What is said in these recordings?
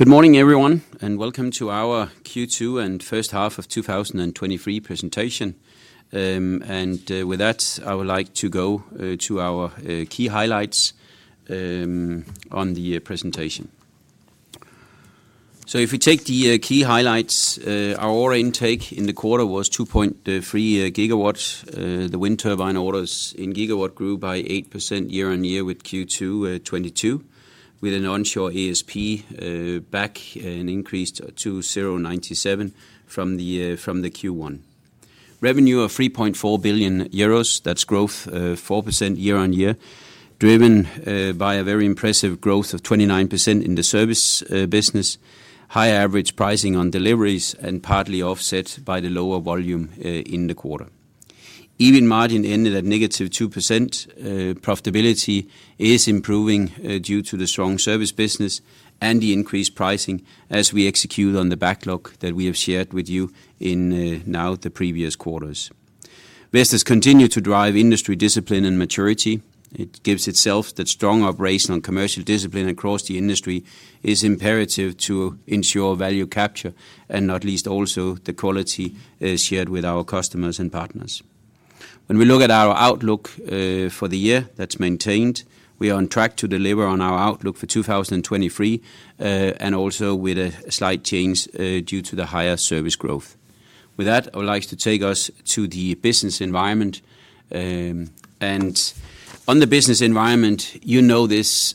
Good morning, everyone, and welcome to our Q2 and first half of 2023 presentation. With that, I would like to go to our key highlights on the presentation. If we take the key highlights, our order intake in the quarter was 2.3 gigawatts. The wind turbine orders in gigawatts grew by 8% year-on-year with Q2 2022, with an onshore ASP back and increased to 0.97 from the Q1. Revenue of 3.4 billion euros, that's growth 4% year-on-year, driven by a very impressive growth of 29% in the Service business, higher average pricing on deliveries, and partly offset by the lower volume in the quarter. EBIT margin ended at negative 2%. Profitability is improving due to the strong service business and the increased pricing as we execute on the backlog that we have shared with you in now the previous quarters. Vestas continue to drive industry discipline and maturity. It gives itself that strong operational and commercial discipline across the industry is imperative to ensure value capture, and not least also the quality shared with our customers and partners. When we look at our outlook for the year, that's maintained. We are on track to deliver on our outlook for 2023 and also with a slight change due to the higher service growth. With that, I would like to take us to the business environment. On the business environment, you know this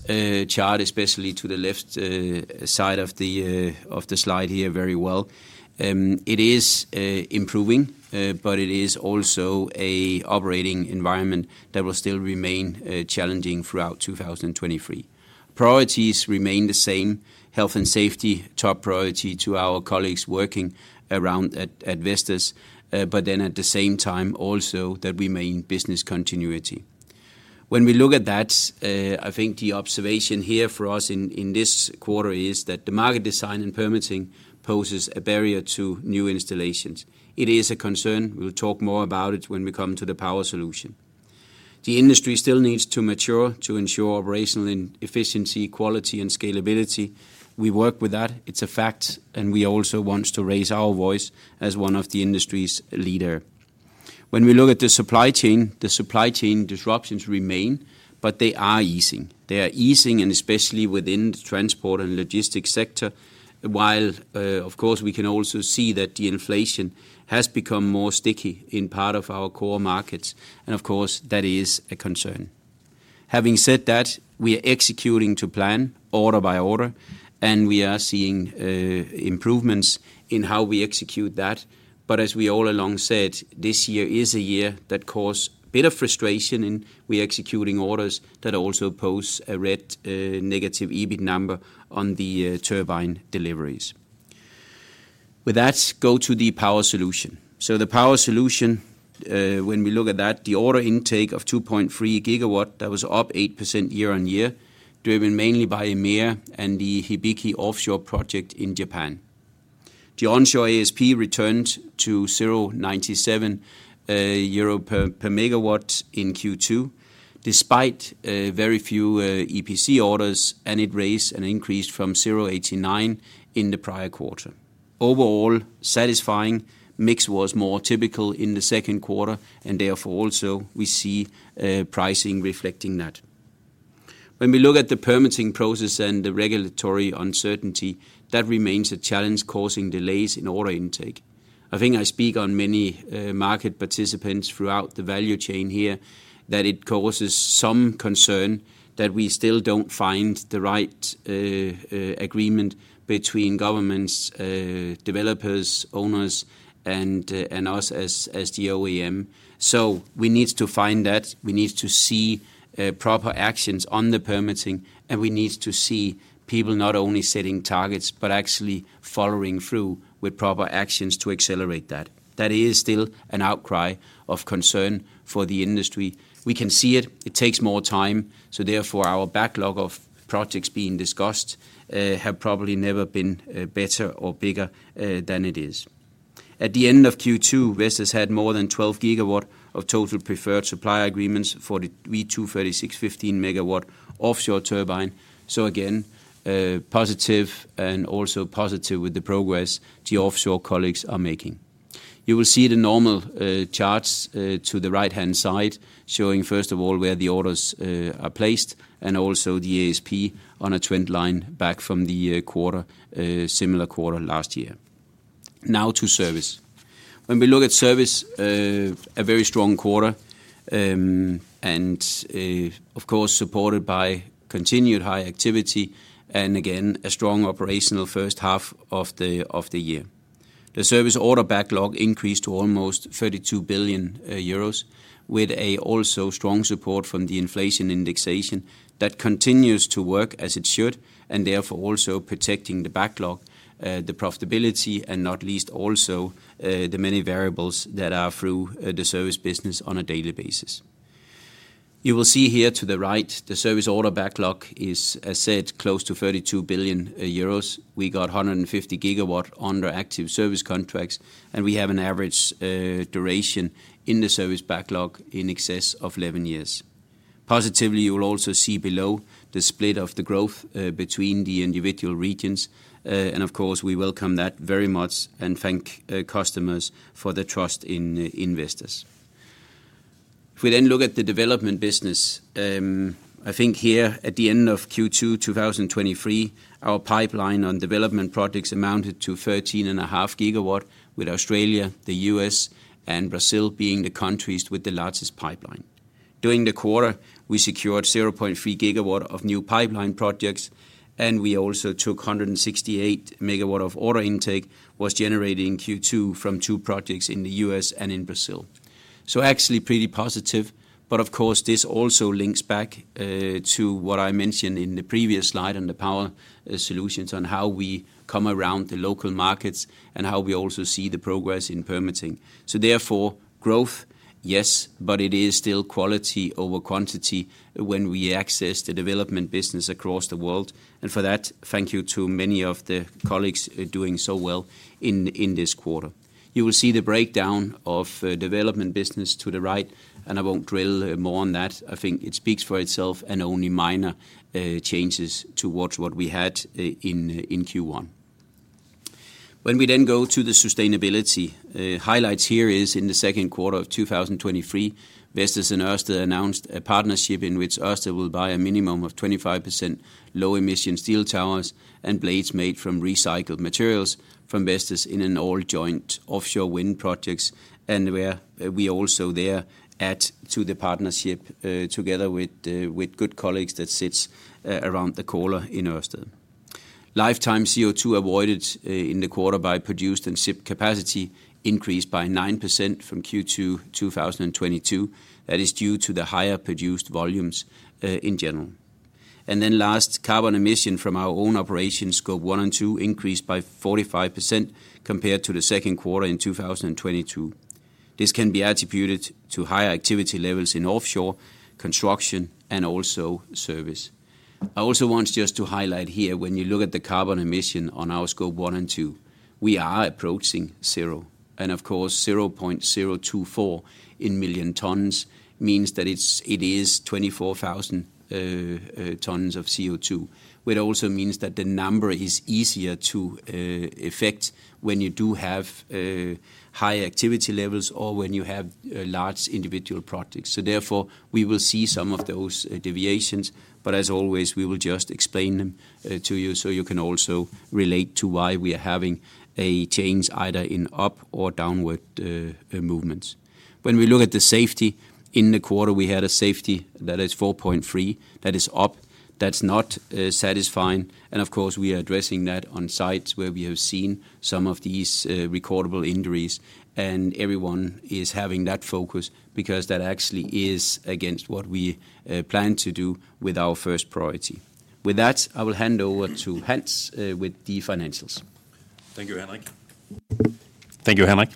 chart, especially to the left side of the of the slide here very well. It is improving, but it is also a operating environment that will still remain challenging throughout 2023. Priorities remain the same, health and safety, top priority to our colleagues working around at Vestas, but then at the same time, also that we main business continuity. When we look at that, I think the observation here for us in, in this quarter is that the market design and permitting poses a barrier to new installations. It is a concern. We'll talk more about it when we come to the Power Solutions. The industry still needs to mature to ensure operational and efficiency, quality, and scalability. We work with that. It's a fact, we also want to raise our voice as one of the industry's leader. When we look at the supply chain, the supply chain disruptions remain, but they are easing. They are easing, and especially within the transport and logistics sector, while, of course, we can also see that the inflation has become more sticky in part of our core markets, and of course, that is a concern. Having said that, we are executing to plan order by order, and we are seeing improvements in how we execute that. As we all along said, this year is a year that cause a bit of frustration, and we are executing orders that also pose a red, negative EBIT number on the turbine deliveries. With that, go to the Power Solutions. The Power Solutions, when we look at that, the order intake of 2.3 gigawatts, that was up 8% year-on-year, driven mainly by EMEA and the Hibiki offshore project in Japan. The onshore ASP returned to 0.97 euro per megawatt in Q2, despite very few EPC orders, it raised an increase from 0.89 in the prior quarter. Overall, satisfying mix was more typical in the second quarter, therefore, also, we see pricing reflecting that. When we look at the permitting process and the regulatory uncertainty, that remains a challenge, causing delays in order intake. I think I speak on many market participants throughout the value chain here, that it causes some concern that we still don't find the right agreement between governments, developers, owners, and us as the OEM. We need to find that. We need to see proper actions on the permitting, and we need to see people not only setting targets, but actually following through with proper actions to accelerate that. That is still an outcry of concern for the industry. We can see it. It takes more time, so therefore, our backlog of projects being discussed have probably never been better or bigger than it is. At the end of Q2, Vestas has had more than 12 gigawatts of total preferred supply agreements for the V236-15.0 MW offshore turbine. Again, positive and also positive with the progress the Offshore colleagues are making. You will see the normal charts to the right-hand side, showing, first of all, where the orders are placed, and also the ASP on a trend line back from the quarter, similar quarter last year. Now to Service. When we look at Service, a very strong quarter, and, of course, supported by continued high activity and again, a strong operational first half of the year. The service order backlog increased to almost 32 billion euros, with also strong support from the inflation indexation that continues to work as it should, and therefore also protecting the backlog, the profitability, and not least also, the many variables that are through the Service business on a daily basis. You will see here to the right, the service order backlog is, as said, close to 32 billion euros. We got 150 gigawatts under active service contracts, and we have an average duration in the service backlog in excess of 11 years. Positively, you will also see below the split of the growth between the individual regions. Of course, we welcome that very much and thank customers for the trust in Vestas. If we look at the development business, I think here at the end of Q2 2023, our pipeline on development projects amounted to 13.5 gigawatts, with Australia, the U.S., and Brazil being the countries with the largest pipeline. During the quarter, we secured 0.3 gigawatts of new pipeline projects, and we also took 168 MW of order intake, was generated in Q2 from two projects in the U.S. and in Brazil. Actually, pretty positive. Of course, this also links back to what I mentioned in the previous slide on the Power Solutions, on how we come around the local markets and how we also see the progress in permitting. Therefore, growth, yes, but it is still quality over quantity when we access the Development business across the world, and for that, thank you to many of the colleagues doing so well in this quarter. You will see the breakdown of Development business to the right, and I won't drill more on that. I think it speaks for itself, and only minor changes to what, what we had in Q1. When we then go to the sustainability highlights here is in the second quarter of 2023, Vestas and Ørsted announced a partnership in which Ørsted will buy a minimum of 25% low-emission steel towers and blades made from recycled materials from Vestas in an all-joint offshore wind projects, and where we also there add to the partnership together with good colleagues that sits around the corner in Ørsted. Lifetime CO2 avoided in the quarter by produced and shipped capacity increased by 9% from Q2 2022. That is due to the higher produced volumes in general. Last, carbon emission from our own operations, Scope 1 and 2, increased by 45% compared to the second quarter in 2022. This can be attributed to higher activity levels in offshore construction and also service. I also want just to highlight here, when you look at the carbon emission on our Scope 1 and 2, we are approaching zero, and of course, 0.024 in million tonnes means that it's, it is 24,000 tonnes of CO2, which also means that the number is easier to affect when you do have high activity levels or when you have large individual projects. Therefore, we will see some of those deviations, but as always, we will just explain them to you, so you can also relate to why we are having a change, either in up or downward movements. When we look at the safety, in the quarter, we had a safety that is 4.3. That is up. That's not satisfying. Of course, we are addressing that on sites where we have seen some of these recordable injuries, and everyone is having that focus because that actually is against what we plan to do with our first priority. With that, I will hand over to Hans with the financials. Thank you, Henrik. Thank you, Henrik.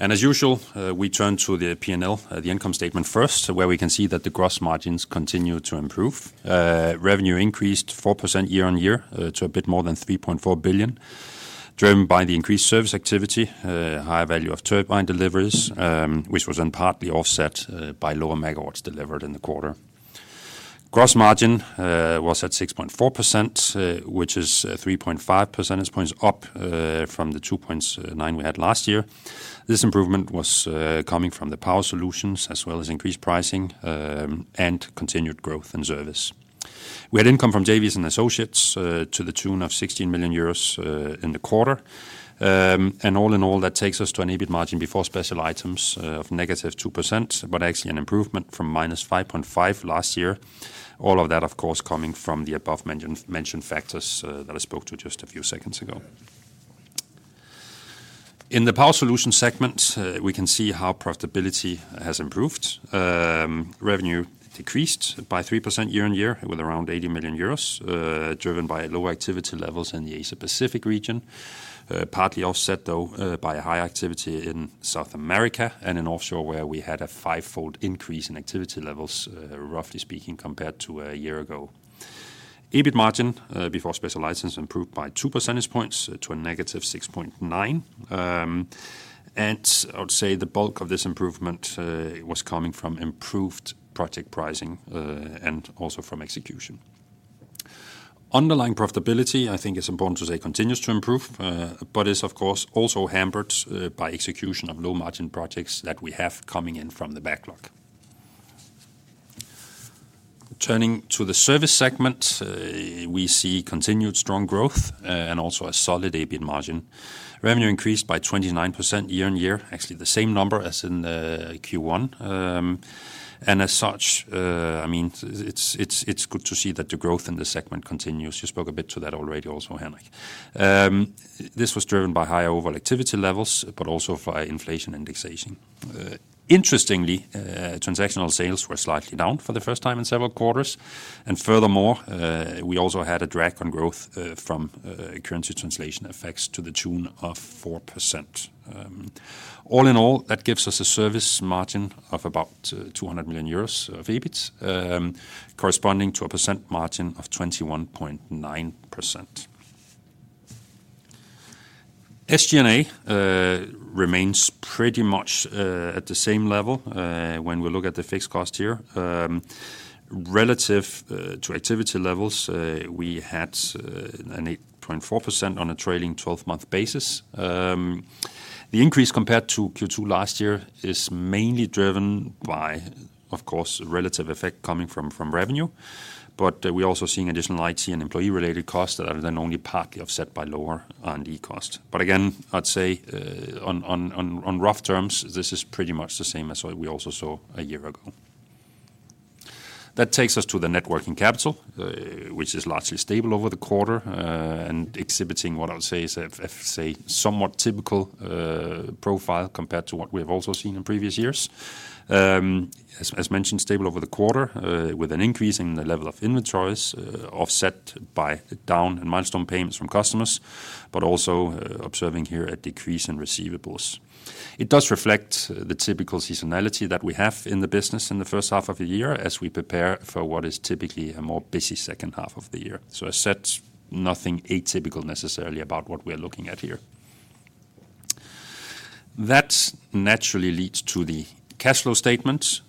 As usual, we turn to the P&L, the income statement first, where we can see that the gross margins continue to improve. Revenue increased 4% year-on-year to a bit more than 3.4 billion, driven by the increased Service activity, higher value of turbine deliveries, which was then partly offset by lower megawatts delivered in the quarter. Gross margin was at 6.4%, which is 3.5 percentage points up from the 2.9 we had last year. This improvement was coming from the Power Solutions, as well as increased pricing, and continued growth in Service. We had income from JVs and associates to the tune of 16 million euros in the quarter. All in all, that takes us to an EBIT margin before special items of negative 2%, but actually an improvement from -5.5% last year. All of that, of course, coming from the above mentioned factors that I spoke to just a few seconds ago. In the Power Solutions segment, we can see how profitability has improved. Revenue decreased by 3% year-on-year, with around 80 million euros, driven by lower activity levels in the Asia Pacific region. Partly offset, though, by a high activity in South America and in Offshore, where we had a fivefold increase in activity levels, roughly speaking, compared to a year ago. EBIT margin before special items improved by 2 percentage points to a -6.9%. I would say the bulk of this improvement was coming from improved project pricing and also from execution. Underlying profitability, I think it's important to say, continues to improve, but is of course, also hampered by execution of low-margin projects that we have coming in from the backlog. Turning to the Service segment, we see continued strong growth and also a solid EBIT margin. Revenue increased by 29% year-on-year, actually the same number as in Q1. As such, it's good to see that the growth in the segment continues. You spoke a bit to that already also, Henrik. This was driven by higher overall activity levels, but also by inflation indexation. Interestingly, transactional sales were slightly down for the first time in several quarters, and furthermore, we also had a drag on growth from currency translation effects to the tune of 4%. All in all, that gives us a Service margin of about 200 million euros of EBIT, corresponding to a percent margin of 21.9%. SG&A remains pretty much at the same level when we look at the fixed cost here. Relative to activity levels, we had an 8.4% on a trailing twelve-month basis. The increase compared to Q2 last year is mainly driven by, of course, relative effect coming from, from revenue. But we're also seeing additional IT and employee-related costs that are then only partly offset by lower R&D costs. Again, I'd say on rough terms, this is pretty much the same as what we also saw a year ago. That takes us to the net working capital, which is largely stable over the quarter, and exhibiting what I'll say is a somewhat typical profile compared to what we have also seen in previous years. As mentioned, stable over the quarter, with an increase in the level of inventories, offset by the down in milestone payments from customers, but also observing here a decrease in receivables. It does reflect the typical seasonality that we have in the business in the first half of the year, as we prepare for what is typically a more busy second half of the year. As such, nothing atypical necessarily about what we're looking at here. That naturally leads to the cash flow statement,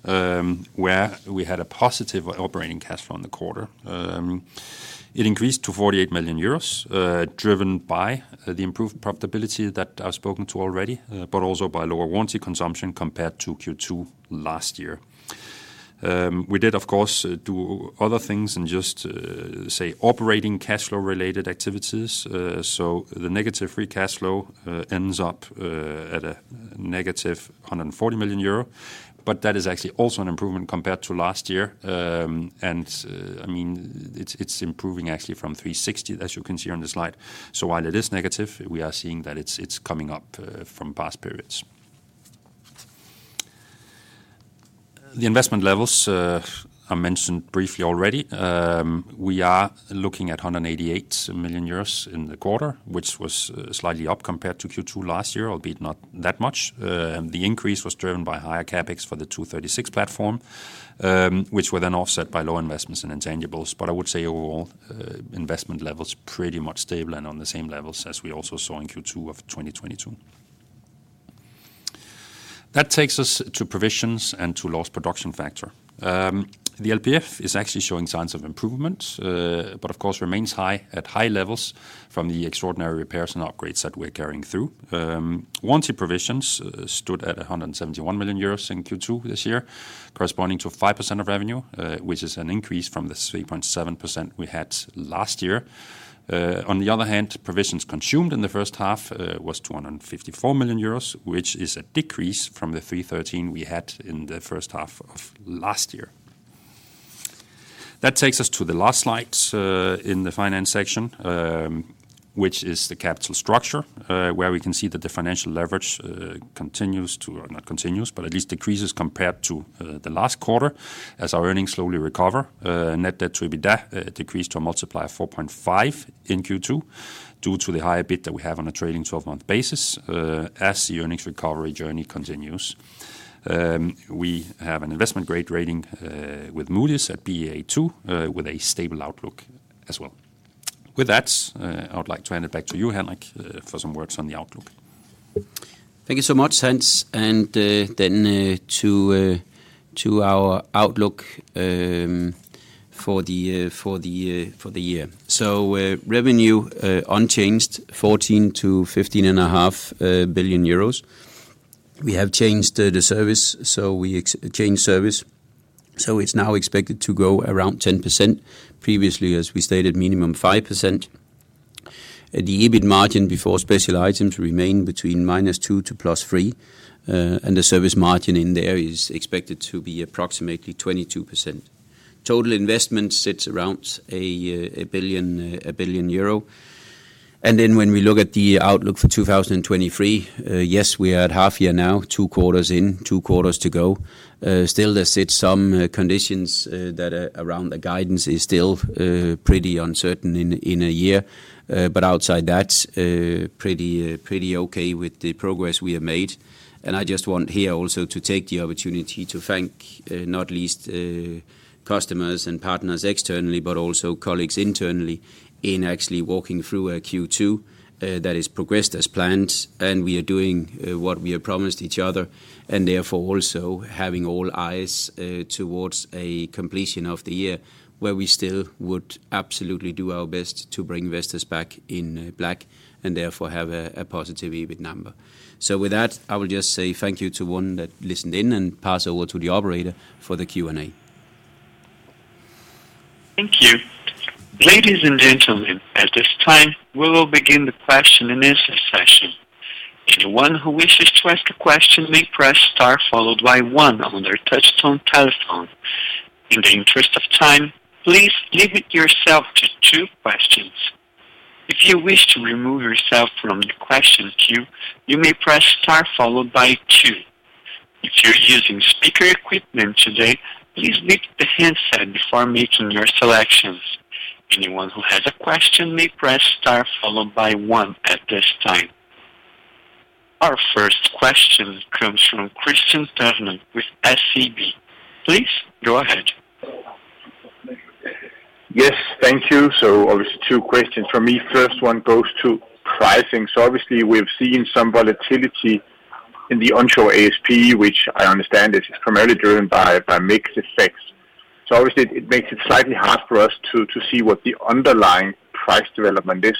where we had a positive operating cash flow in the quarter. It increased to 48 million euros, driven by the improved profitability that I've spoken to already, but also by lower warranty consumption compared to Q2 last year. We did, of course, do other things than just, say, operating cash flow-related activities. The negative free cash flow, ends up, at a -140 million euro, but that is actually also an improvement compared to last year. I mean, it's, it's improving actually from 360, as you can see on the slide. While it is negative, we are seeing that it's, it's coming up, from past periods. The investment levels, I mentioned briefly already. We are looking at 188 million euros in the quarter, which was slightly up compared to Q2 last year, albeit not that much. The increase was driven by higher CapEx for the V236 platform, which were then offset by low investments in intangibles. I would say overall, investment levels pretty much stable and on the same levels as we also saw in Q2 of 2022. That takes us to provisions and to Lost Production Factor. The LPF is actually showing signs of improvement, but of course remains high, at high levels from the extraordinary repairs and upgrades that we're carrying through. Warranty provisions stood at 171 million euros in Q2 this year, corresponding to 5% of revenue, which is an increase from the 3.7% we had last year. On the other hand, provisions consumed in the first half was 254 million euros, which is a decrease from 313 million we had in the first half of last year. That takes us to the last slide in the finance section, which is the capital structure, where we can see that the financial leverage continues to Or not continues, but at least decreases compared to the last quarter as our earnings slowly recover. Net debt to EBITDA decreased to a multiplier of 4.5 in Q2, due to the higher bid that we have on a trailing twelve-month basis, as the earnings recovery journey continues. We have an investment-grade rating with Moody's at Baa2, with a stable outlook as well. With that, I would like to hand it back to you, Henrik, for some words on the outlook. Thank you so much, Hans. Then to our outlook for the year. Revenue unchanged, 14 billion-15.5 billion euros. We have changed the service, so we changed service, so it's now expected to grow around 10%. Previously, as we stated, minimum 5%. The EBIT margin before special items remain between -2% to +3%, and the service margin in there is expected to be approximately 22%. Total investment sits around 1 billion euro. Then when we look at the outlook for 2023, yes, we are at half year now, two quarters in, two quarters to go. Still, there sits some conditions that around the guidance is still pretty uncertain in a year. Outside that, pretty pretty okay with the progress we have made. I just want here also to take the opportunity to thank not least customers and partners externally, but also colleagues internally, in actually walking through our Q2 that has progressed as planned, and we are doing what we have promised each other, and therefore also having all eyes towards a completion of the year, where we still would absolutely do our best to bring investors back in black, and therefore have a positive EBIT number. With that, I will just say thank you to one that listened in and pass over to the operator for the Q&A. Thank you. Ladies and gentlemen, at this time, we will begin the question-and-answer session. Anyone who wishes to ask a question may press star, followed by one on their touchtone telephone. In the interest of time, please limit yourself to two questions. If you wish to remove yourself from the question queue, you may press star followed by two. If you're using speaker equipment today, please mute the handset before making your selections. Anyone who has a question may press star followed by one at this time. Our first question comes from Kristian Tornøe with SEB. Please go ahead. Yes, thank you. Obviously, two questions for me. First one goes to pricing. Obviously, we've seen some volatility in the onshore ASP, which I understand is primarily driven by, by mixed effects. Obviously, it makes it slightly hard for us to, to see what the underlying price development is.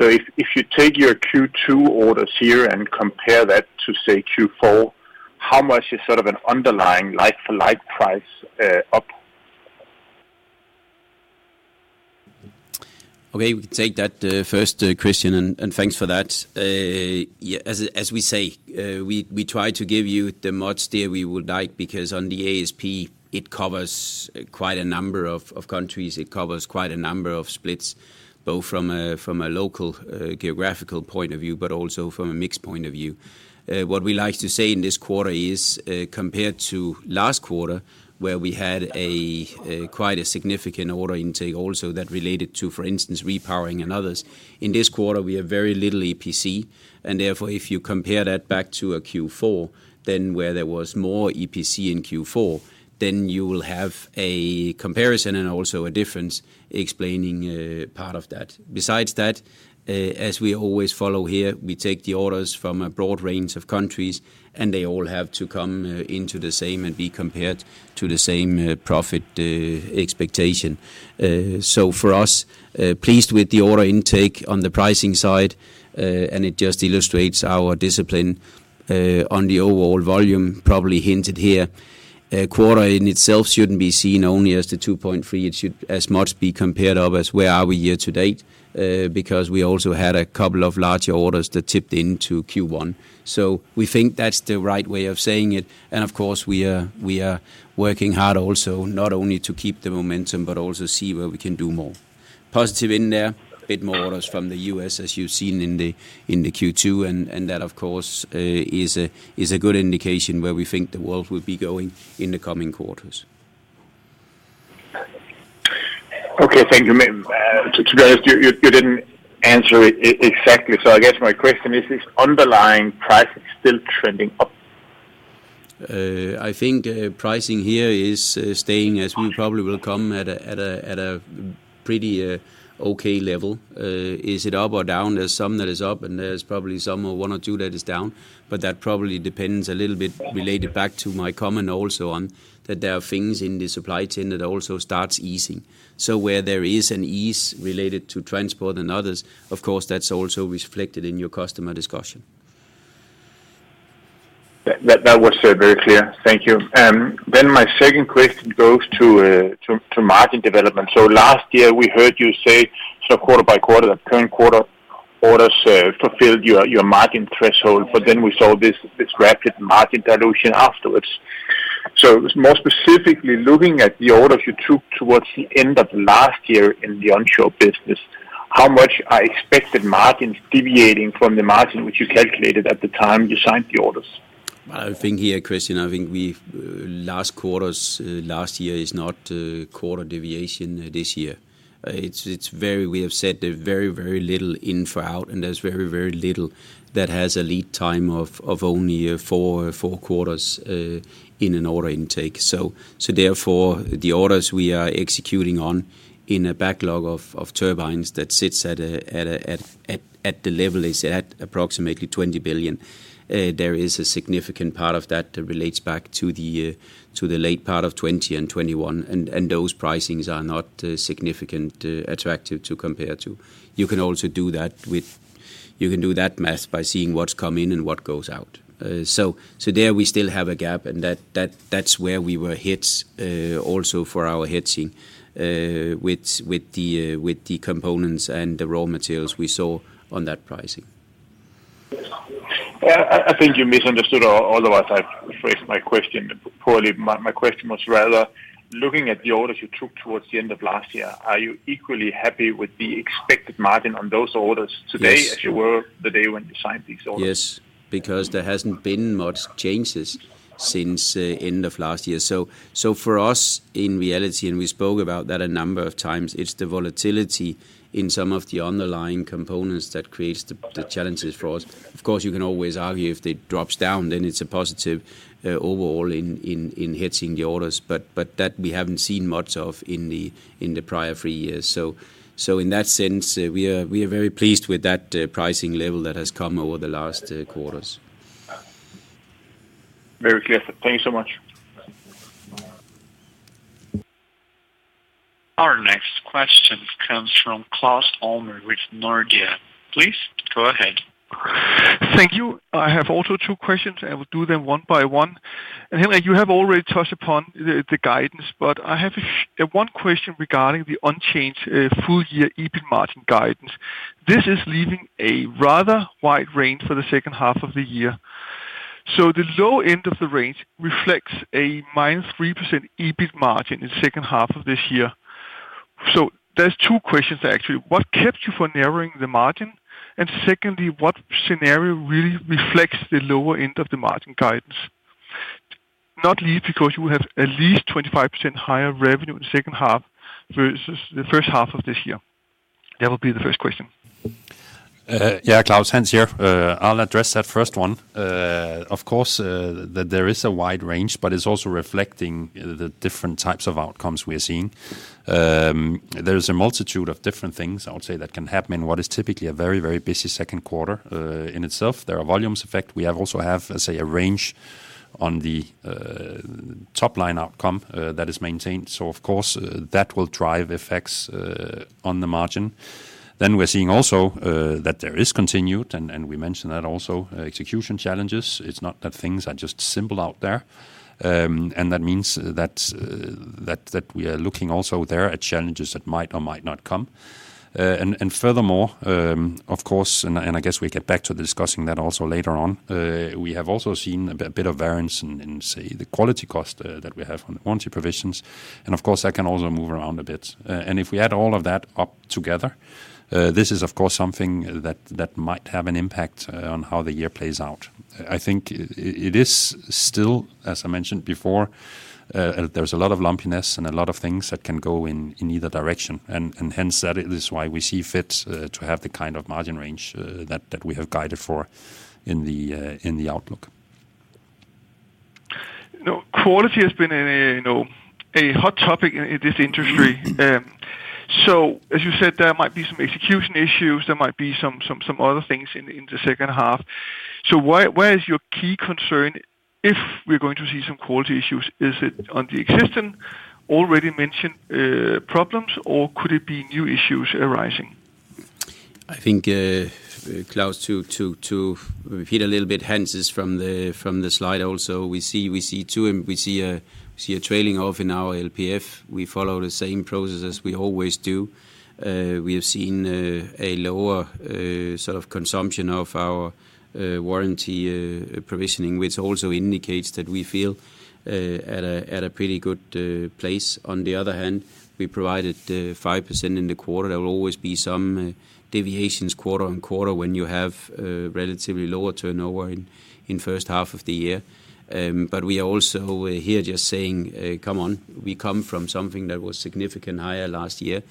If, if you take your Q2 orders here and compare that to, say, Q4, how much is sort of an underlying like-for-like price, up? Okay, we can take that, first, Kristian, and thanks for that. Yeah, as we say, we try to give you the most there we would like, because on the ASP, it covers quite a number of countries. It covers quite a number of splits, both from a local, geographical point of view, but also from a mixed point of view. What we like to say in this quarter is, compared to last quarter, where we had a quite a significant order intake also that related to, for instance, repowering and others, in this quarter, we have very little EPC. Therefore, if you compare that back to a Q4, then where there was more EPC in Q4, then you will have a comparison and also a difference explaining, part of that. Besides that, as we always follow here, we take the orders from a broad range of countries, and they all have to come into the same and be compared to the same profit expectation. For us, pleased with the order intake on the pricing side, and it just illustrates our discipline on the overall volume, probably hinted here. Quarter in itself shouldn't be seen only as the 2.3, it should as much be compared of as where are we year to date, because we also had a couple of larger orders that tipped into Q1. We think that's the right way of saying it, and of course, we are, we are working hard also, not only to keep the momentum, but also see where we can do more. Positive in there, bit more orders from the U.S., as you've seen in the Q2, and that, of course, is a good indication where we think the world will be going in the coming quarters. Okay, thank you, so you, you didn't answer exactly, so I guess my question is, is underlying pricing still trending up? I think pricing here is staying as we probably will come at a, at a, at a pretty okay level. Is it up or down? There's some that is up, and there's probably some, or one or two that is down, but that probably depends a little bit related back to my comment also on that there are things in the supply chain that also starts easing. Where there is an ease related to transport and others, of course, that's also reflected in your customer discussion. That, that was very clear. Thank you. Then my second question goes to margin development. Last year, we heard you say, quarter by quarter, the current quarter orders fulfilled your margin threshold, but then we saw this rapid margin dilution afterwards. More specifically, looking at the orders you took towards the end of last year in the onshore business, how much are expected margins deviating from the margin which you calculated at the time you signed the orders? I think here, Kristian, I think we've, last quarter's, last year is not, quarter deviation this year. We have said there's very, very little in for out, and there's very, very little that has a lead time of, of only, four, four quarters, in an order intake. Therefore, the orders we are executing on in a backlog of, of turbines that sits at the level is at approximately 20 billion, there is a significant part of that relates back to the late part of 2020 and 2021, and, and those pricings are not, significant, attractive to compare to. You can also do that. You can do that math by seeing what's come in and what goes out. There, we still have a gap, and that, that, that's where we were hit, also for our hedging, with, with the, with the components and the raw materials we saw on that pricing. I, I think you misunderstood, or otherwise, I've phrased my question poorly. My, my question was rather, looking at the orders you took towards the end of last year, are you equally happy with the expected margin on those orders today? Yes. as you were the day when you signed these orders? Yes, because there hasn't been much changes since end of last year. For us, in reality, and we spoke about that a number of times, it's the volatility in some of the underlying components that creates the, the challenges for us. Of course, you can always argue, if it drops down, then it's a positive overall in, in, in hedging the orders, but, but that we haven't seen much of in the, in the prior three years. In that sense, we are, we are very pleased with that pricing level that has come over the last quarters. Very clear. Thank you so much. Our next question comes from Claus Almer with Nordea. Please go ahead. Thank you. I have also two questions, and will do them one by one. Henrik, you have already touched upon the guidance, but I have one question regarding the unchanged full year EBIT margin guidance. This is leaving a rather wide range for the second half of the year. The low end of the range reflects a -3% EBIT margin in second half of this year. There's two questions actually: What kept you from narrowing the margin? Secondly, what scenario really reflects the lower end of the margin guidance? Not least because you have at least 25% higher revenue in the second half versus the first half of this year. That will be the first question. Yeah, Claus, Hans here. I'll address that first one. Of course, that there is a wide range, but it's also reflecting the, the different types of outcomes we are seeing. There's a multitude of different things I would say, that can happen in what is typically a very, very busy second quarter. In itself, there are volumes effect. We have also have, say, a range on the top line outcome, that is maintained. Of course, that will drive effects on the margin. We're seeing also that there is continued, and, and we mentioned that also, execution challenges. It's not that things are just simple out there. That means that, that, that we are looking also there at challenges that might or might not come. Furthermore, of course, and I guess we get back to discussing that also later on, we have also seen a bit of variance in, in, say, the quality cost, that we have on warranty provisions. Of course, that can also move around a bit. If we add all of that up together, this is of course, something that, that might have an impact, on how the year plays out. I think it is still, as I mentioned before, there's a lot of lumpiness and a lot of things that can go in, in either direction, and hence, that is why we see fit, to have the kind of margin range, that we have guided for in the outlook. Now, quality has been a, you know, a hot topic in, in this industry. As you said, there might be some execution issues, there might be some, some, some other things in, in the second half. Where, where is your key concern, if we're going to see some quality issues? Is it on the existing already mentioned, problems, or could it be new issues arising? I think, Claus, to repeat a little bit, Hans is from the, from the slide also. We see, we see too, and we see a trailing off in our LPF. We follow the same process as we always do. We have seen a lower sort of consumption of our warranty provisioning, which also indicates that we feel at a pretty good place. On the other hand, we provided 5% in the quarter. There will always be some deviations quarter on quarter when you have relatively lower turnover in first half of the year. But we are also here just saying, come on, we come from something that was significant higher last year.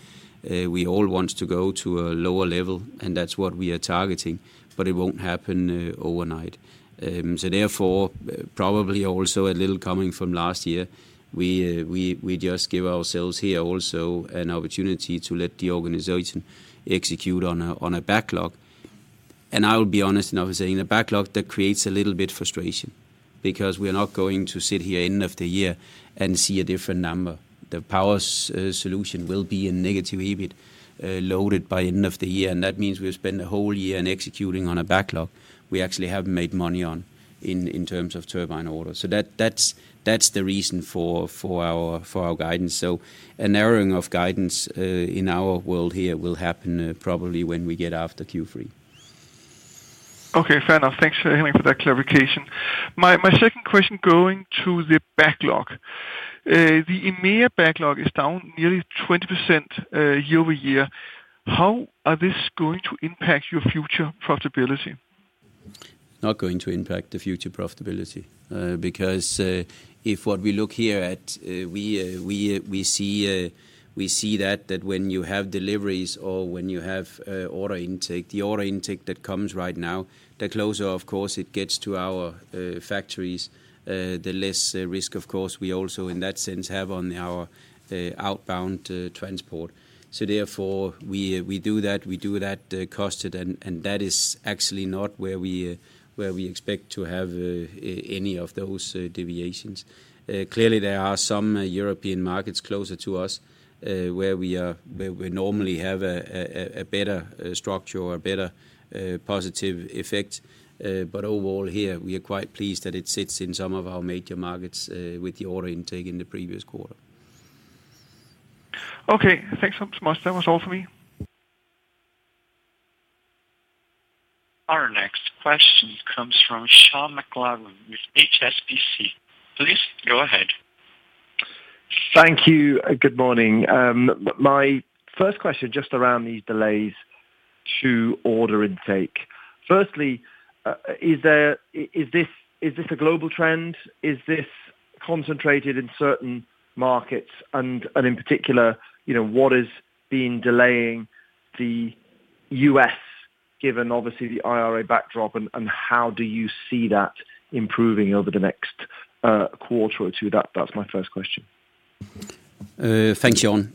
We all want to go to a lower level, and that's what we are targeting, but it won't happen overnight. Therefore, probably also a little coming from last year, we, we just give ourselves here also an opportunity to let the organization execute on a backlog. I'll be honest enough saying, a backlog that creates a little bit frustration, because we are not going to sit here end of the year and see a different number. The Power Solutions will be in negative EBIT loaded by end of the year, and that means we spend the whole year in executing on a backlog we actually haven't made money on in, in terms of turbine orders. That, that's, that's the reason for, for our, for our guidance. A narrowing of guidance in our world here will happen probably when we get after Q3. Okay, fair enough. Thanks for, for that clarification. My, my second question, going to the backlog. The EMEA backlog is down nearly 20%, year-over-year. How are this going to impact your future profitability? Not going to impact the future profitability, because if what we look here at, we, we see, we see that, that when you have deliveries or when you have order intake, the order intake that comes right now, the closer, of course, it gets to our factories, the less risk, of course, we also in that sense, have on our outbound transport. Therefore, we, we do that, we do that cost, and that is actually not where we, where we expect to have any of those deviations. Clearly, there are some European markets closer to us, where we normally have a better structure or a better positive effect. Overall here, we are quite pleased that it sits in some of our major markets, with the order intake in the previous quarter. Okay, thanks so much. That was all for me. Our next question comes from Sean McLoughlin with HSBC. Please go ahead. Thank you, good morning. My first question, just around these delays to order intake. Firstly, is this, is this a global trend? Is this concentrated in certain markets? In particular, you know, what is being delaying the U.S., given obviously the IRA backdrop, how do you see that improving over the next quarter or two? That, that's my first question. Thanks, Sean.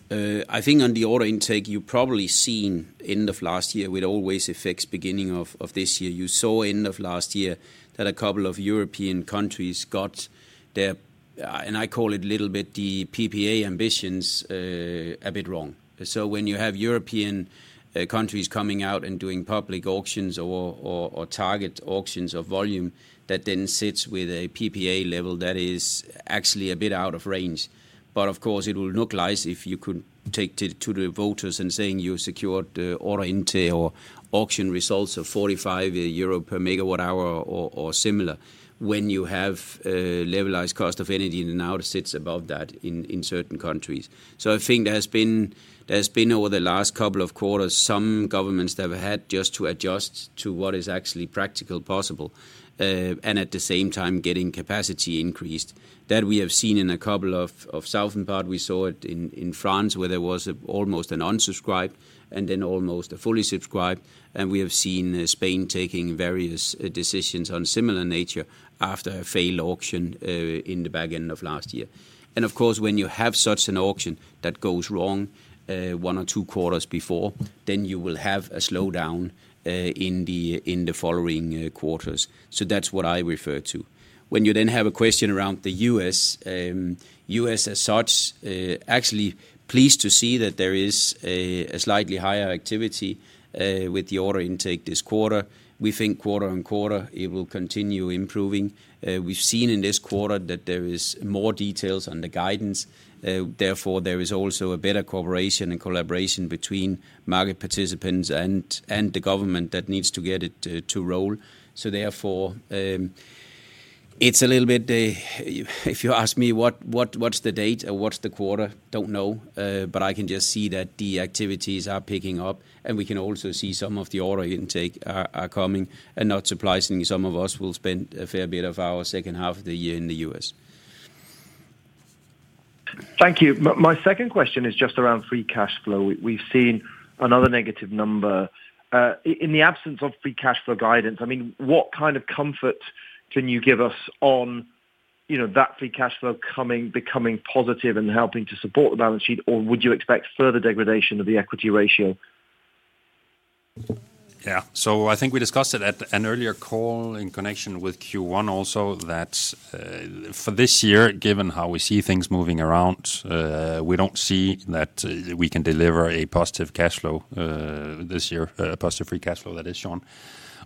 I think on the order intake, you've probably seen end of last year, we'd always affects beginning of, of this year. You saw end of last year that a couple of European countries got their-... and I call it a little bit the PPA ambitions a bit wrong. When you have European countries coming out and doing public auctions or target auctions of volume, that then sits with a PPA level that is actually a bit out of range. Of course, it will look nice if you could take it to the voters and saying you secured order intake or auction results of 45 euro per megawatt hour or similar, when you have levelized cost of energy, and now it sits above that in certain countries. I think there's been, there's been, over the last couple of quarters, some governments that have had just to adjust to what is actually practical possible, and at the same time, getting capacity increased. That we have seen in a couple of southern part. We saw it in, in France, where there was almost an unsubscribed and then almost a fully subscribed, and we have seen Spain taking various decisions on similar nature after a failed auction, in the back end of last year. Of course, when you have such an auction that goes wrong, one or two quarters before, then you will have a slowdown in the following quarters. That's what I refer to. When you then have a question around the U.S., U.S. as such, actually pleased to see that there is a slightly higher activity with the order intake this quarter. We think quarter-on-quarter, it will continue improving. We've seen in this quarter that there is more details on the guidance. Therefore, there is also a better cooperation and collaboration between market participants and the government that needs to get it to roll. Therefore, it's a little bit, if you ask me what's the date or what's the quarter? Don't know, but I can just see that the activities are picking up, and we can also see some of the order intake are coming, and not surprisingly, some of us will spend a fair bit of our second half of the year in the U.S. Thank you. My second question is just around free cash flow. We've seen another negative number. In the absence of free cash flow guidance, I mean, what kind of comfort can you give us on, you know, that free cash flow coming becoming positive and helping to support the balance sheet, or would you expect further degradation of the equity ratio? Yeah. I think we discussed it at an earlier call in connection with Q1 also, that, for this year, given how we see things moving around, we don't see that we can deliver a positive cash flow, this year, positive free cash flow that is shown.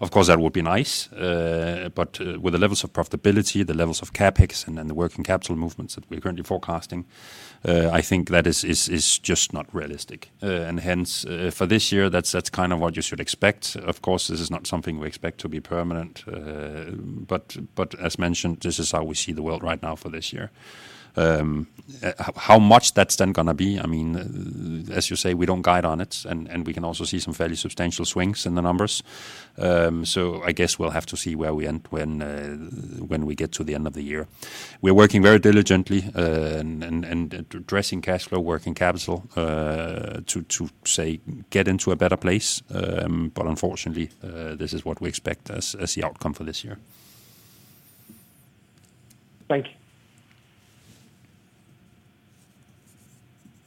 Of course, that would be nice, but with the levels of profitability, the levels of CapEx, and then the working capital movements that we're currently forecasting, I think that is, is, is just not realistic. Hence, for this year, that's, that's kind of what you should expect. Of course, this is not something we expect to be permanent, but, but as mentioned, this is how we see the world right now for this year. H-how much that's then gonna be, I mean, as you say, we don't guide on it, and we can also see some fairly substantial swings in the numbers. I guess we'll have to see where we end when we get to the end of the year. We're working very diligently, and addressing cash flow, working capital, to say, get into a better place, unfortunately, this is what we expect as the outcome for this year. Thank you.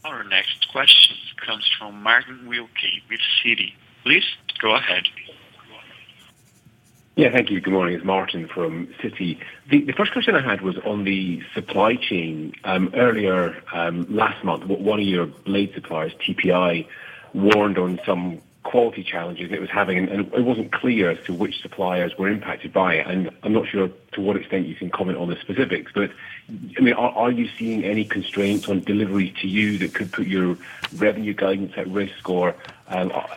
Our next question comes from Martin Wilkie with Citi. Please go ahead. Yeah, thank you. Good morning, it's Martin from Citi. The first question I had was on the supply chain. Earlier, last month, one of your blade suppliers, TPI, warned on some quality challenges it was having, and it wasn't clear as to which suppliers were impacted by it. I'm not sure to what extent you can comment on the specifics, but, I mean, are, are you seeing any constraints on delivery to you that could put your revenue guidance at risk, or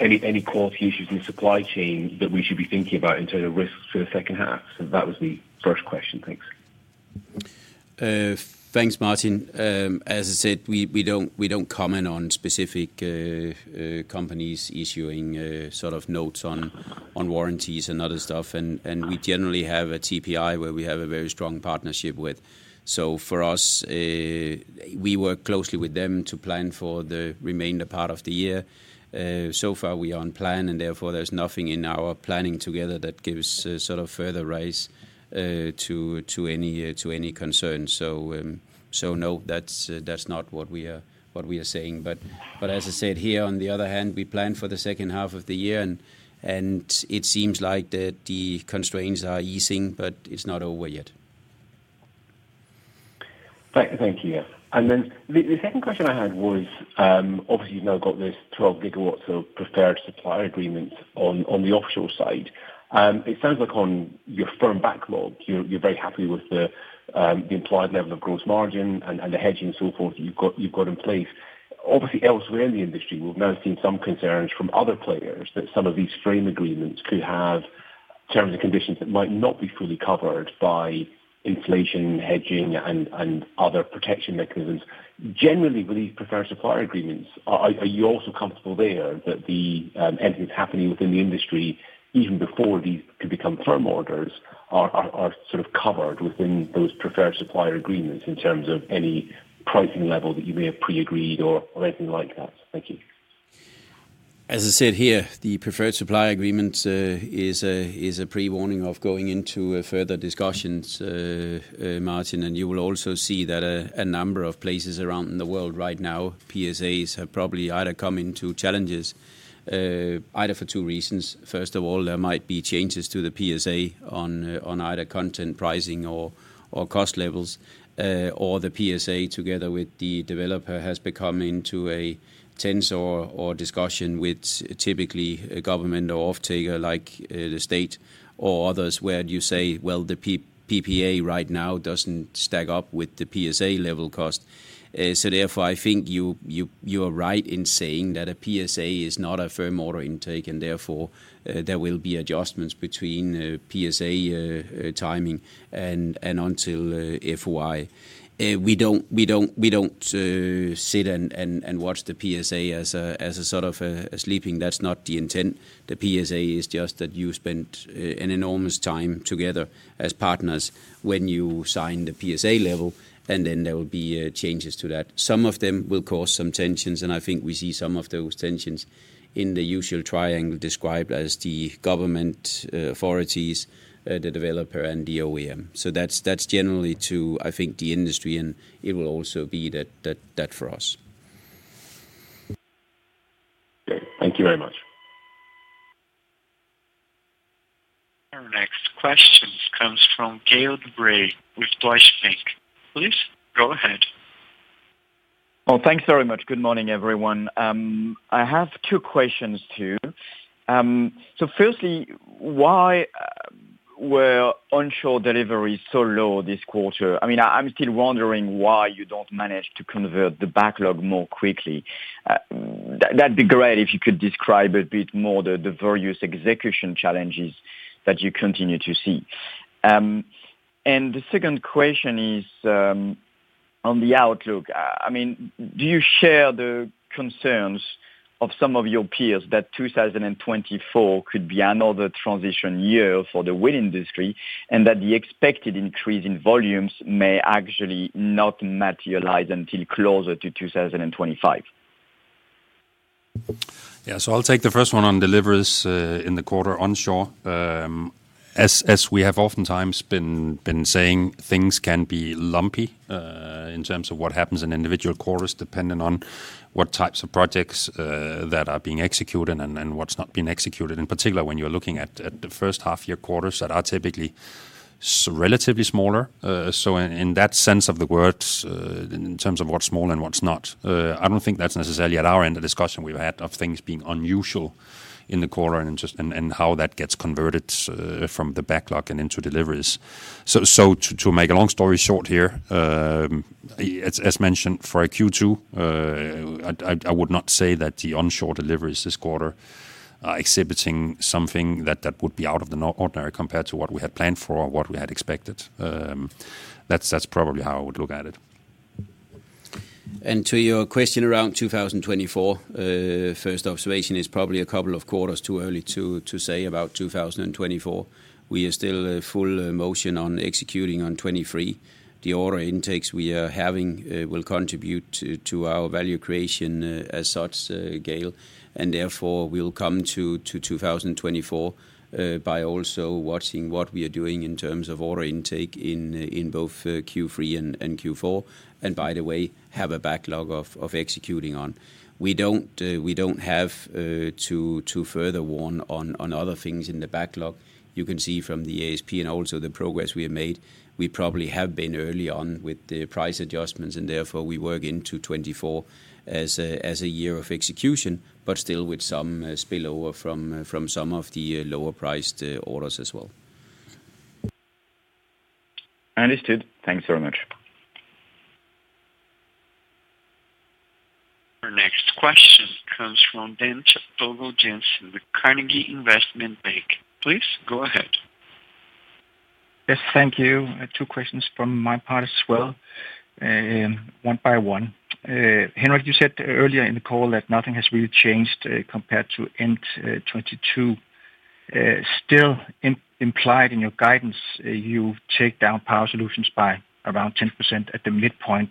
any quality issues in the supply chain that we should be thinking about in terms of risks for the second half? That was my first question. Thanks. Thanks, Martin. As I said, we don't comment on specific companies issuing sort of notes on, on warranties and other stuff, and we generally have a TPI, where we have a very strong partnership with. For us, we work closely with them to plan for the remainder part of the year. So far we are on plan, and therefore, there's nothing in our planning together that gives sort of further rise to any concern. No, that's not what we are, what we are saying. As I said here, on the other hand, we plan for the second half of the year and it seems like the constraints are easing, but it's not over yet. Thank, thank you. Yeah. Then the, the second question I had was, obviously, you've now got this 12 gigawatts of preferred supplier agreements on, on the Offshore side. It sounds like on your firm backlog, you're, you're very happy with the, the implied level of gross margin and, and the hedging and so forth that you've got, you've got in place. Obviously, elsewhere in the industry, we've now seen some concerns from other players that some of these frame agreements could have terms and conditions that might not be fully covered by inflation, hedging, and, and other protection mechanisms. Generally, with these preferred supplier agreements, are, are, are you also comfortable there that the anything's happening within the industry, even before these could become firm orders, are, are, are sort of covered within those preferred supplier agreements in terms of any pricing level that you may have pre-agreed or, or anything like that? Thank you. As I said here, the preferred supply agreement is a, is a pre-warning of going into further discussions, Martin. You will also see that a, a number of places around in the world right now, PSAs have probably either come into challenges, either for two reasons. First of all, there might be changes to the PSA on, on either content pricing or, or cost levels, or the PSA together with the developer, has become into a tense or, or discussion with typically a government or offtaker, like, the state or others, where you say, "Well, the PPA right now doesn't stack up with the PSA level cost." Therefore, I think you, you, you are right in saying that a PSA is not a firm order intake, and therefore, there will be adjustments between the PSA, timing and, and until, FOI. We don't, we don't, we don't, sit and, and, and watch the PSA as a, as a sort of, a sleeping. That's not the intent. The PSA is just that you spent an enormous time together as partners when you sign the PSA level, and then there will be changes to that. Some of them will cause some tensions, and I think we see some of those tensions in the usual triangle described as the government, authorities, the developer and the OEM. That's, that's generally to, I think, the industry, and it will also be that, that, that for us. Okay, thank you very much. Our next question comes from Gael De Bray with Deutsche Bank. Please go ahead. Well, thanks very much. Good morning, everyone. I have two questions too. Firstly, why were onshore deliveries so low this quarter? I mean, I'm still wondering why you don't manage to convert the backlog more quickly. That'd be great if you could describe a bit more the, the various execution challenges that you continue to see. The second question is on the outlook. I mean, do you share the concerns of some of your peers that 2024 could be another transition year for the wind industry, and that the expected increase in volumes may actually not materialize until closer to 2025? Yeah, I'll take the first one on deliveries in the quarter onshore. As, as we have oftentimes been, been saying, things can be lumpy in terms of what happens in individual quarters, depending on what types of projects that are being executed and, and what's not being executed, in particular, when you're looking at, at the first half year quarters that are typically relatively smaller. In, in that sense of the words, in terms of what's small and what's not, I don't think that's necessarily at our end, the discussion we've had of things being unusual in the quarter and just, and, and how that gets converted from the backlog and into deliveries. So to, to make a long story short here, as, as mentioned for Q2, I would not say that the onshore deliveries this quarter are exhibiting something that, that would be out of the nor- ordinary compared to what we had planned for or what we had expected. That's, that's probably how I would look at it. To your question, around 2024, first observation is probably a couple of quarters too early to, to say about 2024. We are still in full motion on executing on 2023. The order intakes we are having, will contribute to, to our value creation, as such, Gael, and therefore, we'll come to, to 2024, by also watching what we are doing in terms of order intake in, in both, Q3 and, and Q4, and by the way, have a backlog of, of executing on. We don't, we don't have, to, to further warn on, on other things in the backlog. You can see from the ASP the progress we have made. We probably have been early on with the price adjustments, and therefore, we work into 2024 as a, as a year of execution, but still with some spillover from from some of the lower priced orders as well. Understood. Thanks very much. Our next question comes from Dan Togo Jensen with Carnegie Investment Bank. Please go ahead. Yes, thank you. I have two questions from my part as well, one by one. Henrik, you said earlier in the call that nothing has really changed, compared to end 2022. Still im-implied in your guidance, you take down Power Solutions by around 10% at the midpoint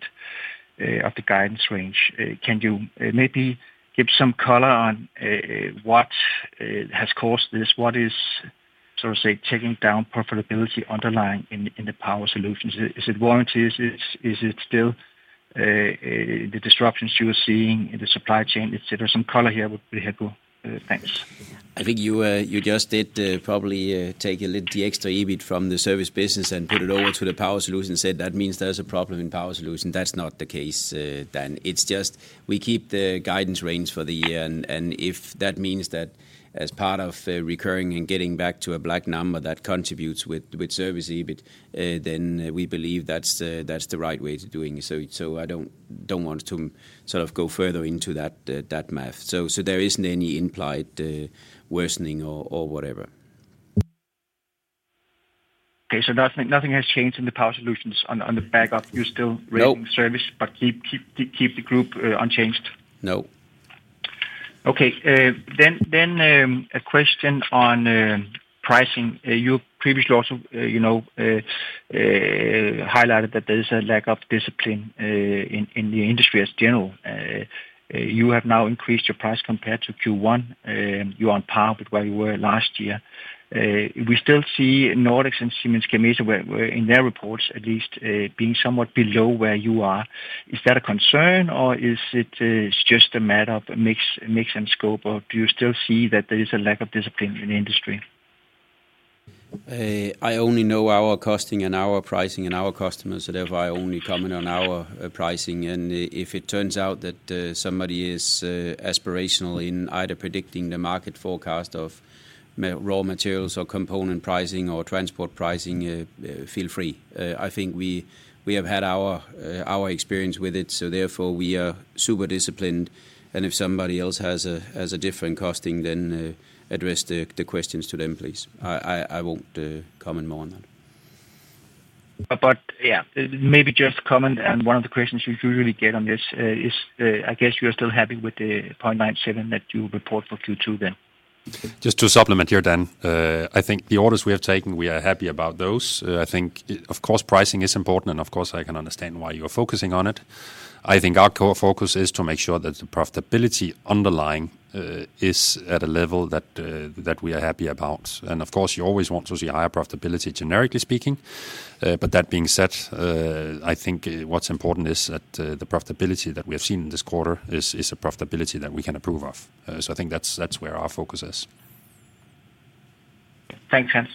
of the guidance range. Can you maybe give some color on what has caused this? What is, so to say, taking down profitability underlying in the Power Solutions? Is it warranties? Is, is it still, the disruptions you are seeing in the supply chain, et cetera? Some color here would be helpful. Thanks. I think you, you just did, probably, take a little the extra EBIT from the service business and put it over to the Power Solution, and said, "That means there's a problem in Power Solution." That's not the case, Dan. It's just we keep the guidance range for the year, and, and if that means that as part of, recurring and getting back to a black number that contributes with, with Service EBIT, then we believe that's the, that's the right way to doing it. So I don't want to sort of go further into that, that math. So there isn't any implied, worsening or whatever. Okay, nothing, nothing has changed in the Power Solutions on the, on the back up? You're still- No.... rating service, but keep, keep, keep the group, unchanged? No. Then, then, a question on pricing. You previously also, you know, highlighted that there is a lack of discipline in the industry as general. You have now increased your price compared to Q1, you are on par with where you were last year. We still see Nordex and Siemens Gamesa, where, where in their reports at least, being somewhat below where you are. Is that a concern or is it just a matter of mix, mix and scope, or do you still see that there is a lack of discipline in the industry? I only know our costing and our pricing and our customers, so therefore, I only comment on our pricing. I-if it turns out that somebody is aspirational in either predicting the market forecast of ma- raw materials or component pricing or transport pricing, feel free. I think we, we have had our experience with it, so therefore, we are super disciplined, and if somebody else has a, has a different costing, then address the questions to them, please. I, I, I won't comment more on that. Yeah, maybe just comment on one of the questions you usually get on this, is, I guess you are still happy with the 0.97 that you report for Q2? Just to supplement here, Dan. I think the orders we have taken, we are happy about those. I think, of course, pricing is important, and of course, I can understand why you are focusing on it. I think our core focus is to make sure that the profitability underlying is at a level that we are happy about. Of course, you always want to see higher profitability, generically speaking. That being said, I think what's important is that the profitability that we have seen in this quarter is a profitability that we can approve of. I think that's where our focus is. Thanks, Hans.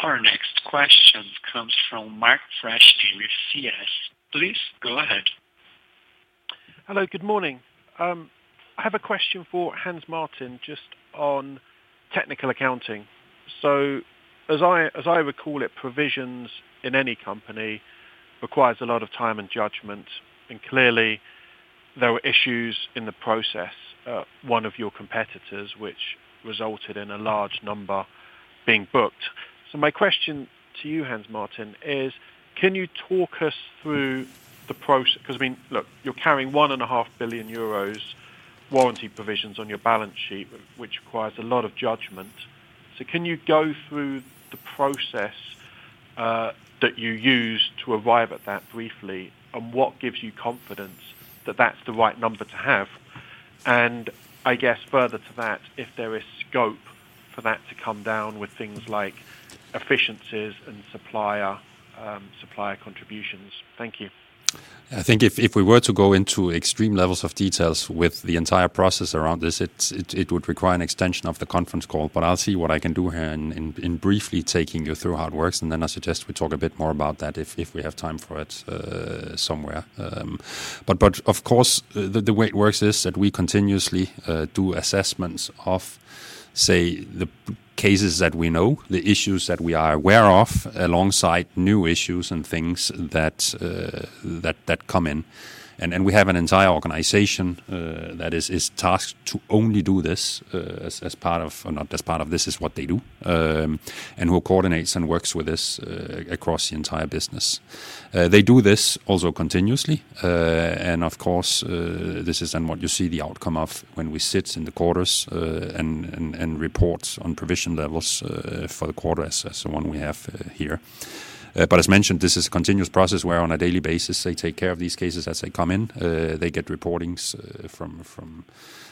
Our next question comes from Mark Freshney with Credit Suisse. Please go ahead. Hello, good morning. I have a question for Hans Martin, just on technical accounting. As I, as I recall it, provisions in any company requires a lot of time and judgment, and clearly, there were issues in the process at one of your competitors, which resulted in a large number being booked. My question to you, Hans Martin, is: can you talk us through because, I mean, look, you're carrying 1.5 billion euros warranty provisions on your balance sheet, which requires a lot of judgment. Can you go through the process that you used to arrive at that briefly, and what gives you confidence that that's the right number to have? I guess further to that, if there is scope for that to come down with things like efficiencies and supplier, supplier contributions. Thank you. I think if, if we were to go into extreme levels of details with the entire process around this, it's, it, it would require an extension of the conference call, but I'll see what I can do here in, in, in briefly taking you through how it works, and then I suggest we talk a bit more about that if, if we have time for it, somewhere. But of course, the, the way it works is that we continuously do assessments of, say, the cases that we know, the issues that we are aware of, alongside new issues and things that, that, that come in. And we have an entire organization that is, is tasked to only do this as, as part of, or not as part of, this is what they do, and who coordinates and works with this across the entire business. They do this also continuously, and of course, this is then what you see the outcome of when we sit in the quarters and, and, and report on provision levels for the quarter as, as the one we have here. As mentioned, this is a continuous process where on a daily basis, they take care of these cases as they come in. They get reportings from, from,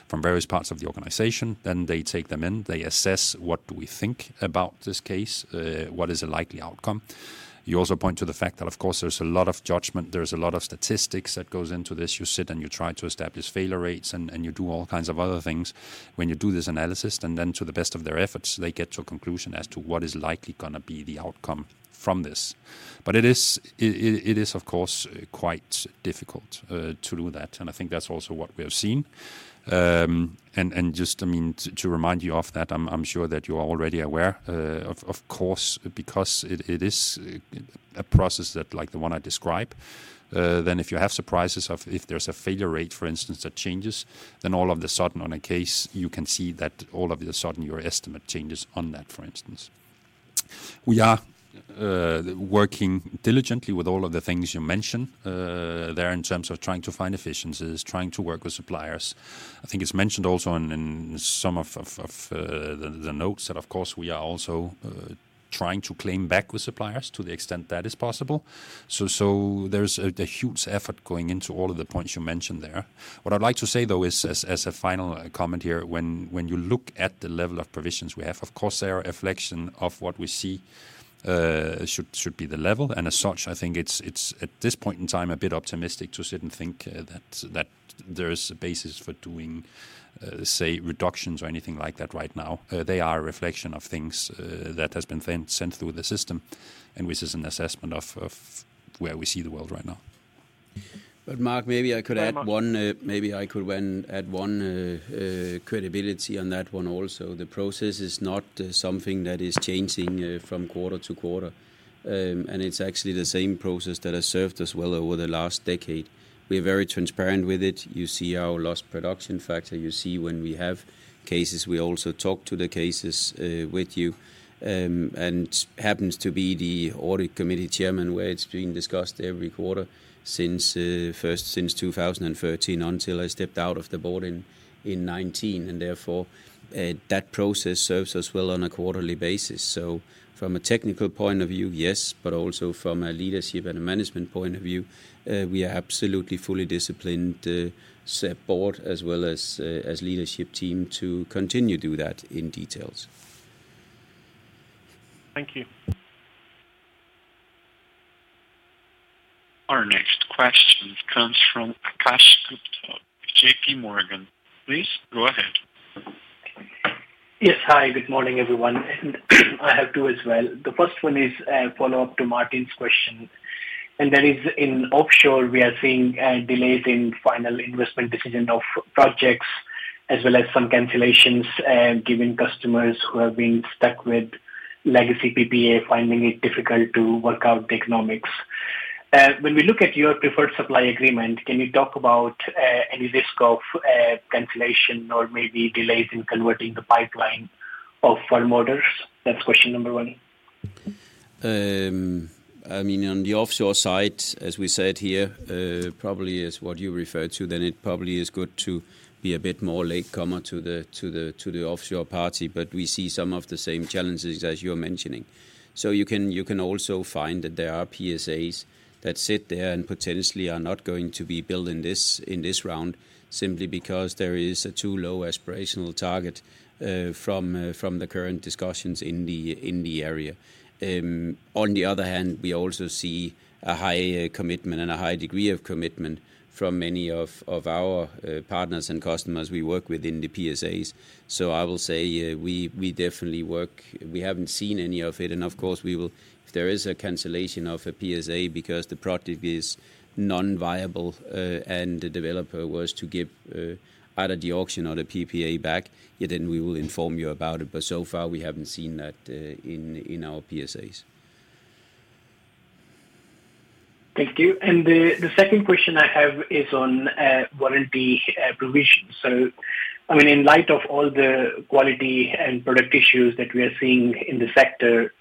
from various parts of the organization, then they take them in, they assess what do we think about this case, what is the likely outcome. You also point to the fact that, of course, there's a lot of judgment, there's a lot of statistics that goes into this. You sit and you try to establish failure rates, and you do all kinds of other things when you do this analysis, and then to the best of their efforts, they get to a conclusion as to what is likely gonna be the outcome from this. It is, it is, of course, quite difficult to do that, and I think that's also what we have seen. And just I mean, to, to remind you of that, I'm, I'm sure that you are already aware, of, of course, because it, it is a process that like the one I described, then if you have surprises of if there's a failure rate, for instance, that changes, then all of a sudden on a case, you can see that all of a sudden your estimate changes on that, for instance. We are working diligently with all of the things you mentioned, there in terms of trying to find efficiencies, trying to work with suppliers. I think it's mentioned also in, in some of, of, of, the, the notes that of course, we are also, trying to claim back with suppliers to the extent that is possible. There's a huge effort going into all of the points you mentioned there. What I'd like to say, though, is as a final comment here, when you look at the level of provisions we have, of course, they are a reflection of what we see, should be the level, and as such, I think it's, at this point in time, a bit optimistic to sit and think that there is a basis for doing, say, reductions or anything like that right now. They are a reflection of things that has been sent through the system and which is an assessment of where we see the world right now. Mark, maybe I could add one, maybe I could add one credibility on that one also. The process is not something that is changing from quarter to quarter. It's actually the same process that has served us well over the last decade. We're very transparent with it. You see our Lost Production Factor. You see when we have cases, we also talk to the cases with you. Happens to be the audit committee chairman, where it's being discussed every quarter since first since 2013 until I stepped out of the board in 2019. Therefore, that process serves us well on a quarterly basis. From a technical point of view, yes, but also from a leadership and a management point of view, we are absolutely fully disciplined, set board as well as, as leadership team to continue to do that in details. Thank you. Our next question comes from Akash Gupta of JPMorgan. Please go ahead. Yes. Hi, good morning, everyone. I have two as well. The first one is a follow-up to Martin's question, and that is in offshore, we are seeing delays in final investment decision of projects, as well as some cancellations, given customers who have been stuck with legacy PPA, finding it difficult to work out the economics. When we look at your preferred supply agreement, can you talk about any risk of cancellation or maybe delays in converting the pipeline of firm orders? That's question number 1. I mean, on the offshore side, as we said here, probably is what you referred to, then it probably is good to be a bit more latecomer to the, to the, to the offshore party, but we see some of the same challenges as you're mentioning. You can, you can also find that there are PSAs that sit there and potentially are not going to be built in this, in this round, simply because there is a too low aspirational target from the current discussions in the, in the area. On the other hand, we also see a high commitment and a high degree of commitment from many of, of our partners and customers we work with in the PSAs. I will say, we, we definitely work. We haven't seen any of it, and of course, we will if there is a cancellation of a PSA because the project is non-viable, and the developer was to give either the auction or the PPA back, yeah, then we will inform you about it. So far, we haven't seen that in our PSAs. Thank you. The second question I have is on warranty provisions. I mean, in light of all the quality and product issues that we are seeing in the sector,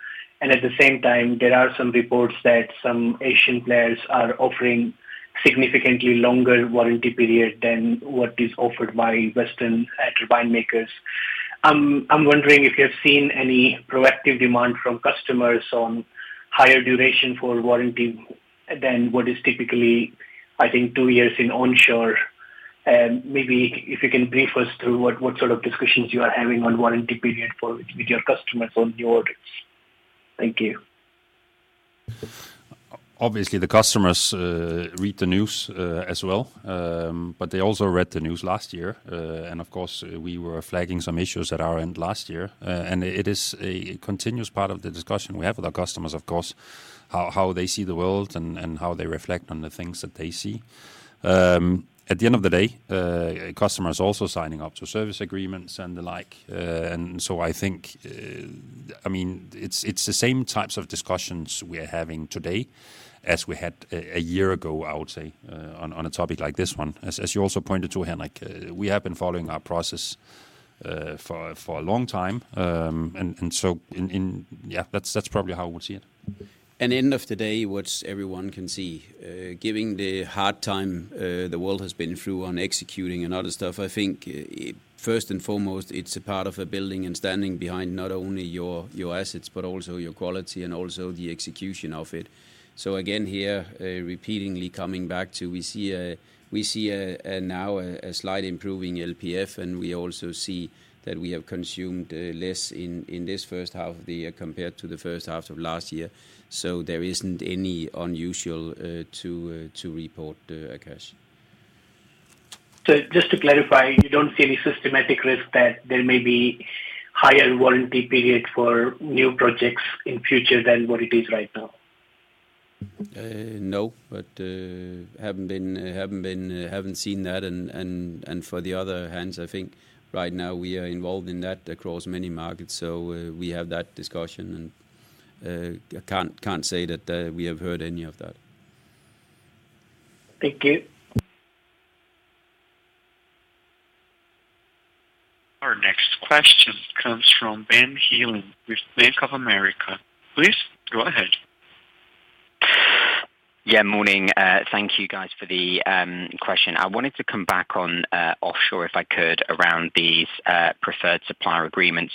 at the same time, there are some reports that some Asian players are offering significantly longer warranty period than what is offered by Western turbine makers. I'm wondering if you have seen any proactive demand from customers on higher duration for warranty than what is typically, I think, two years in onshore. Maybe if you can brief us through what, what sort of discussions you are having on warranty period for, with your customers on new orders. Thank you. Obviously, the customers read the news as well. They also read the news last year. Of course, we were flagging some issues at our end last year. It is a continuous part of the discussion we have with our customers, of course, how, how they see the world and, and how they reflect on the things that they see. At the end of the day, a customer is also signing up to service agreements and the like, and so I mean, it's, it's the same types of discussions we are having today as we had a year ago, I would say, on a topic like this one. As, as you also pointed to, Henrik, we have been following our process, for, for a long time, yeah, that's, that's probably how I would see it. End of the day, what everyone can see, giving the hard time, the world has been through on executing and other stuff, I think, first and foremost, it's a part of a building and standing behind not only your, your assets, but also your quality and also the execution of it. Again, here, repeatedly coming back to, we see a, we see a, a now, a, a slight improving LPF, and we also see that we have consumed less in this first half of the year compared to the first half of last year. There isn't any unusual to report, Akash. Just to clarify, you don't see any systematic risk that there may be higher warranty period for new projects in future than what it is right now? No, haven't been, haven't been, haven't seen that. For the other hands, I think right now we are involved in that across many markets. We have that discussion. I can't, can't say that, we have heard any of that. Thank you. Our next question comes from Ben Heelan with Bank of America. Please go ahead. Yeah, morning. thank you guys for the question. I wanted to come back on offshore, if I could, around these preferred supplier agreements.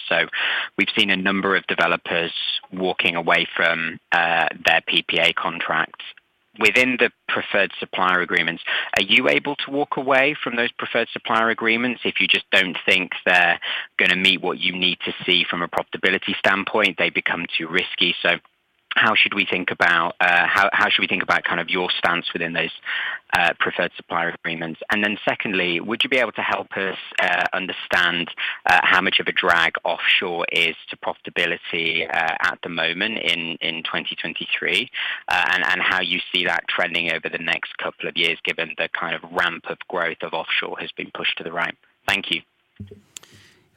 we've seen a number of developers walking away from their PPA contracts. Within the preferred supplier agreements, are you able to walk away from those preferred supplier agreements if you just don't think they're gonna meet what you need to see from a profitability standpoint, they become too risky? how should we think about how, how should we think about kind of your stance within those preferred supplier agreements? secondly, would you be able to help us understand how much of a drag offshore is to profitability at the moment in 2023? How you see that trending over the next couple of years, given the kind of ramp of growth of offshore has been pushed to the right? Thank you.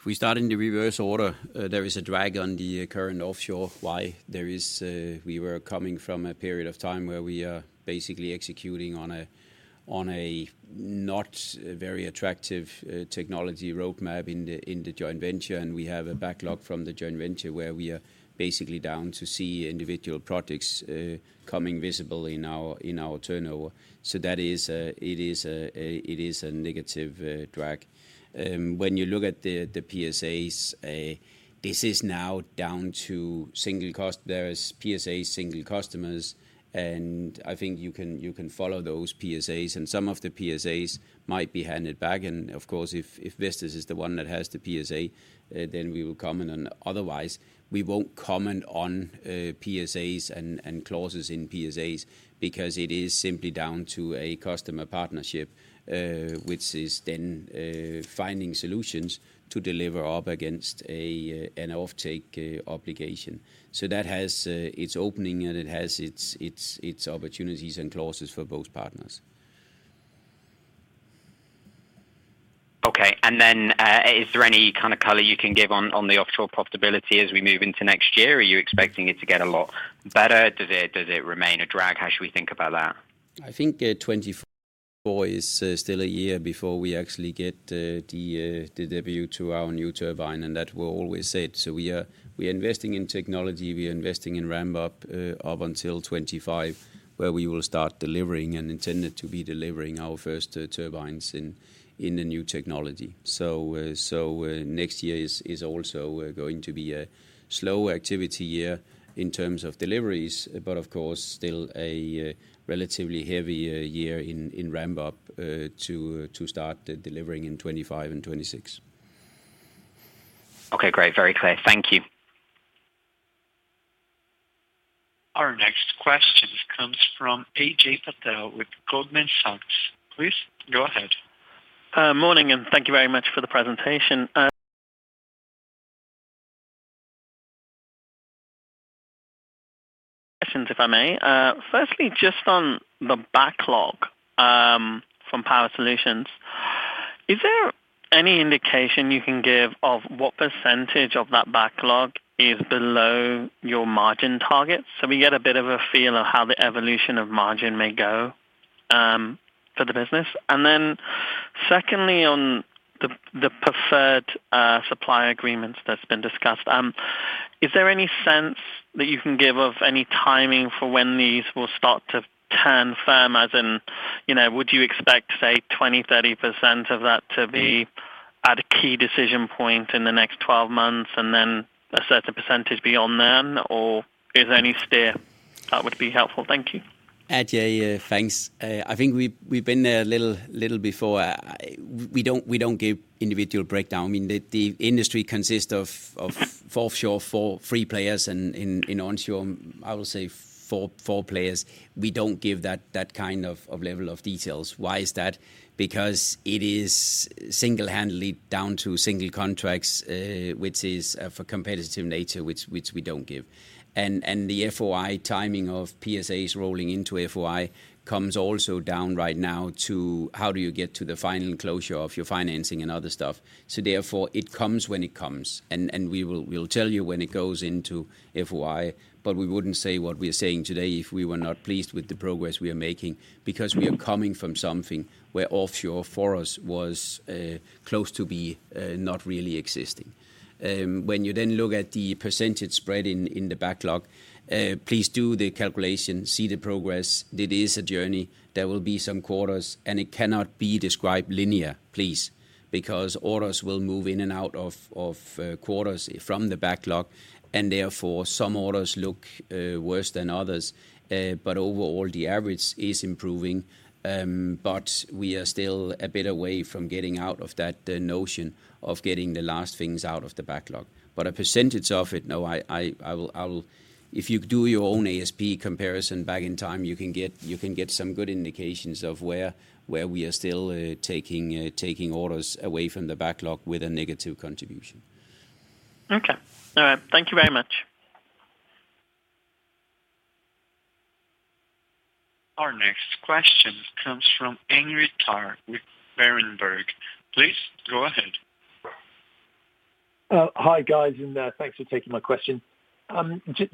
If we start in the reverse order, there is a drag on the current offshore. Why? There is, we were coming from a period of time where we are basically executing on a not very attractive technology roadmap in the joint venture, and we have a backlog from the joint venture where we are basically down to see individual projects coming visible in our turnover. That is, it is a, it is a negative drag. When you look at the PSAs, this is now down to single cost. There is PSA single customers, and I think you can, you can follow those PSAs, and some of the PSAs might be handed back. Of course, if Vestas is the one that has the PSA, then we will comment on. Otherwise, we won't comment on PSAs and clauses in PSAs because it is simply down to a customer partnership, which is then finding solutions to deliver up against an offtake obligation. That has its opening, and it has its opportunities and clauses for both partners. Okay. Is there any kind of color you can give on, on the offshore profitability as we move into next year? Are you expecting it to get a lot better? Does it, does it remain a drag? How should we think about that? I think 2024 is still a year before we actually get the debut to our new turbine, and that we're always set. We are, we are investing in technology, we are investing in ramp up up until 2025, where we will start delivering and intended to be delivering our first turbines in the new technology. Next year is also going to be a slow activity year in terms of deliveries, but of course, still a relatively heavy year in ramp up to start delivering in 2025 and 2026. Okay, great. Very clear. Thank you. Our next question comes from Ajay Patel with Goldman Sachs. Please go ahead. Morning, and thank you very much for the presentation. Questions, if I may. Firstly, just on the backlog from Power Solutions, is there any indication you can give of what percentage of that backlog is below your margin target? We get a bit of a feel of how the evolution of margin may go for the business. Secondly, on the, the preferred supply agreements that's been discussed, is there any sense that you can give of any timing for when these will start to turn firm, as in, you know, would you expect, say, 20%, 30% of that to be at a key decision point in the next 12 months, and then a certain percentage beyond then? Is there any steer? That would be helpful. Thank you. Ajay, thanks. I think we've, we've been there a little, little before. We don't, we don't give individual breakdown. I mean, the industry consists of offshore three players, and in onshore, I would say four players. We don't give that kind of level of details. Why is that? Because it is single-handedly down to single contracts, which is for competitive nature, which we don't give. The FOI timing of PSAs rolling into FOI comes also down right now to how do you get to the final closure of your financing and other stuff. Therefore, it comes when it comes, we'll tell you when it goes into FOI, but we wouldn't say what we are saying today if we were not pleased with the progress we are making. We are coming from something where offshore for us was close to be not really existing. When you then look at the percentage spread in the backlog, please do the calculation, see the progress. It is a journey. There will be some quarters, and it cannot be described linear, please, because orders will move in and out of quarters from the backlog, and therefore, some orders look worse than others. Overall, the average is improving, but we are still a bit away from getting out of that, the notion of getting the last things out of the backlog. A percentage of it, no. If you do your own ASP comparison back in time, you can get, you can get some good indications of where, where we are still taking orders away from the backlog with a negative contribution. Okay. All right. Thank you very much. Our next question comes from Henry Tarr with Berenberg. Please go ahead. Hi, guys, and thanks for taking my question.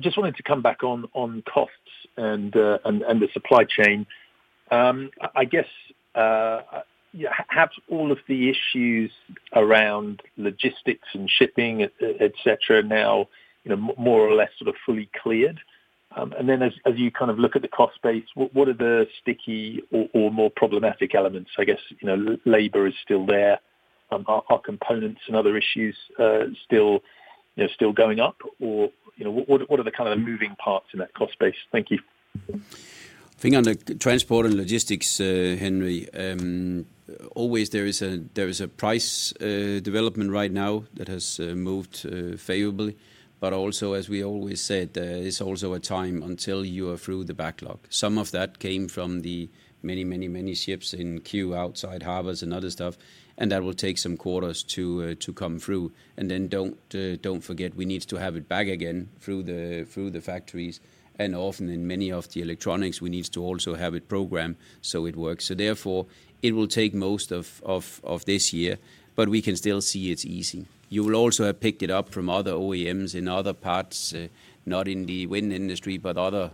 Just wanted to come back on, on costs and, and the supply chain. I guess, yeah, have all of the issues around logistics and shipping, et cetera, now, you know, more or less sort of fully cleared? As, as you kind of look at the cost base, what, what are the sticky or, or more problematic elements? I guess, you know, labor is still there. Are, are components and other issues, still, you know, still going up, or, you know, what, what are the kind of the moving parts in that cost base? Thank you. I think on the transport and logistics, Henrik, always there is a, there is a price development right now that has moved favorably, but also as we always said, it's also a time until you are through the backlog. Some of that came from the many, many, many ships in queue outside harbors and other stuff, and that will take some quarters to come through. Don't forget, we need to have it back again through the factories, and often in many of the electronics, we need to also have it programmed, so it works. Therefore, it will take most of, of, of this year, but we can still see it's easing. You will also have picked it up from other OEMs in other parts, not in the wind industry, but other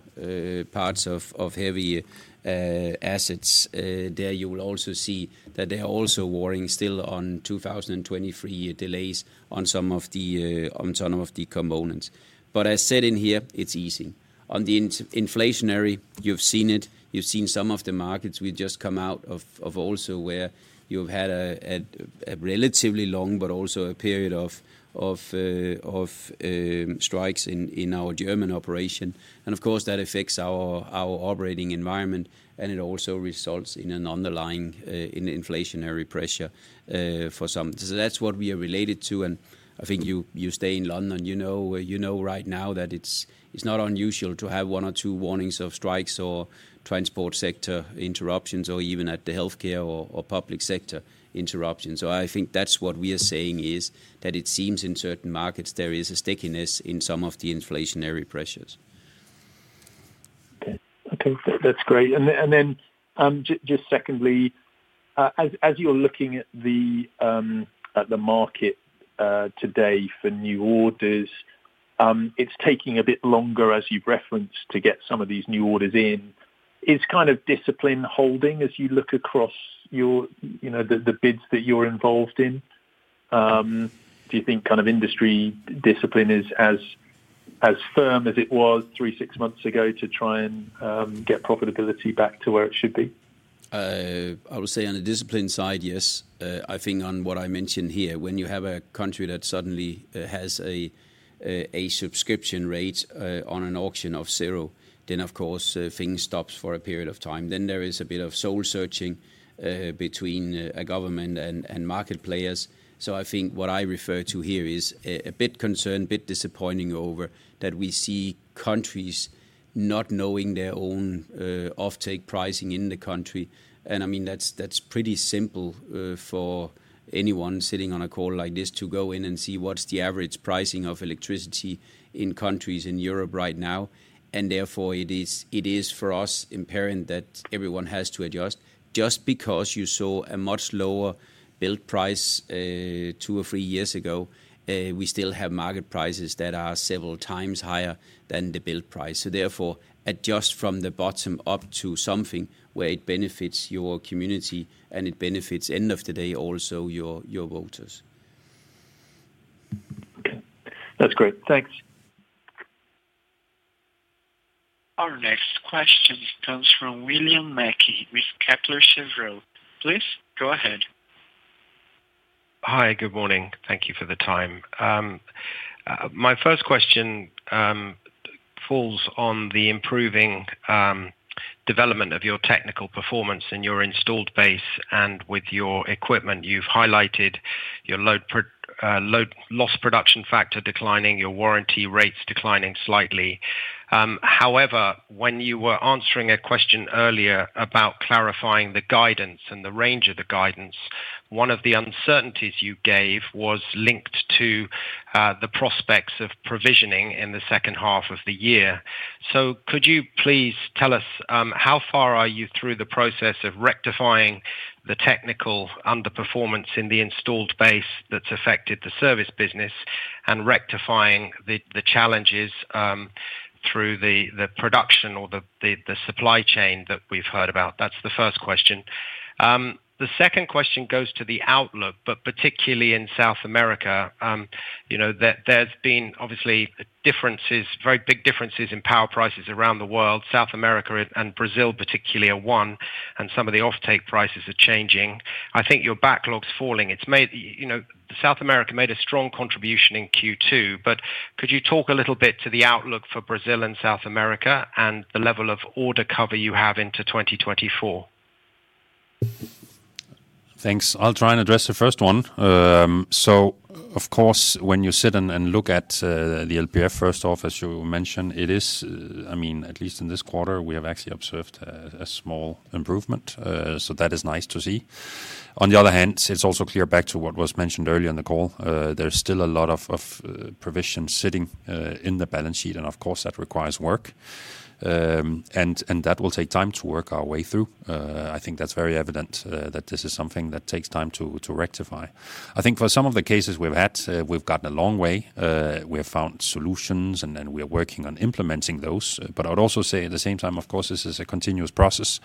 parts of heavy assets. There you will also see that they are also warring still on 2023 delays on some of the components. As said in here, it's easing. On the inflationary, you've seen it, you've seen some of the markets we've just come out of, also where you've had a relatively long, but also a period of strikes in our German operation. Of course, that affects our operating environment, and it also results in an underlying inflationary pressure for some. That's what we are related to, and I think you, you stay in London. You know, you know right now that it's, it's not unusual to have one or two warnings of strikes or transport sector interruptions, or even at the healthcare or, or public sector interruptions. I think that's what we are saying is, that it seems in certain markets there is a stickiness in some of the inflationary pressures. Okay. I think that's great. Then, and then, just secondly, as, as you're looking at the, at the market, today for new orders, it's taking a bit longer, as you've referenced, to get some of these new orders in. Is kind of discipline holding as you look across your, you know, the, the bids that you're involved in? Do you think kind of industry discipline is as, as firm as it was three, six months ago to try and get profitability back to where it should be? I would say on the discipline side, yes. I think on what I mentioned here, when you have a country that suddenly has a subscription rate on an auction of zero, then of course, things stops for a period of time. There is a bit of soul searching between a government and market players. I think what I refer to here is a bit concerned, bit disappointing over, that we see countries not knowing their own offtake pricing in the country. I mean, that's, that's pretty simple for anyone sitting on a call like this, to go in and see what's the average pricing of electricity in countries in Europe right now. Therefore, it is, for us, imperative that everyone has to adjust. Just because you saw a much lower build price, two or three years ago, we still have market prices that are several times higher than the build price. Therefore, adjust from the bottom up to something where it benefits your community and it benefits, end of the day, also your, your voters. Okay. That's great. Thanks. Our next question comes from William Mackie, with Kepler Cheuvreux. Please go ahead. Hi, good morning. Thank you for the time. My first question falls on the improving development of your technical performance in your installed base and with your equipment. You've highlighted your Lost Production Factor declining, your warranty rates declining slightly. However, when you were answering a question earlier about clarifying the guidance and the range of the guidance, one of the uncertainties you gave was linked to the prospects of provisioning in the second half of the year. Could you please tell us how far are you through the process of rectifying the technical underperformance in the installed base that's affected the Service business, and rectifying the challenges through the production or the supply chain that we've heard about? That's the first question. The second question goes to the outlook, but particularly in South America. You know, there, there's been obviously differences, very big differences in power prices around the world. South America and, and Brazil particularly are one, and some of the offtake prices are changing. I think your backlog's falling. It's made, you know, South America made a strong contribution in Q2, but could you talk a little bit to the outlook for Brazil and South America, and the level of order cover you have into 2024? Thanks. I'll try and address the first one. Of course, when you sit and, and look at the LPF, first off, as you mentioned, it is, I mean, at least in this quarter, we have actually observed a small improvement. That is nice to see. On the other hand, it's also clear back to what was mentioned earlier in the call, there's still a lot of provision sitting in the balance sheet, and of course, that requires work. That will take time to work our way through. I think that's very evident that this is something that takes time to, to rectify. I think for some of the cases we've had, we've gotten a long way. We have found solutions, and then we are working on implementing those. I would also say at the same time, of course, this is a continuous process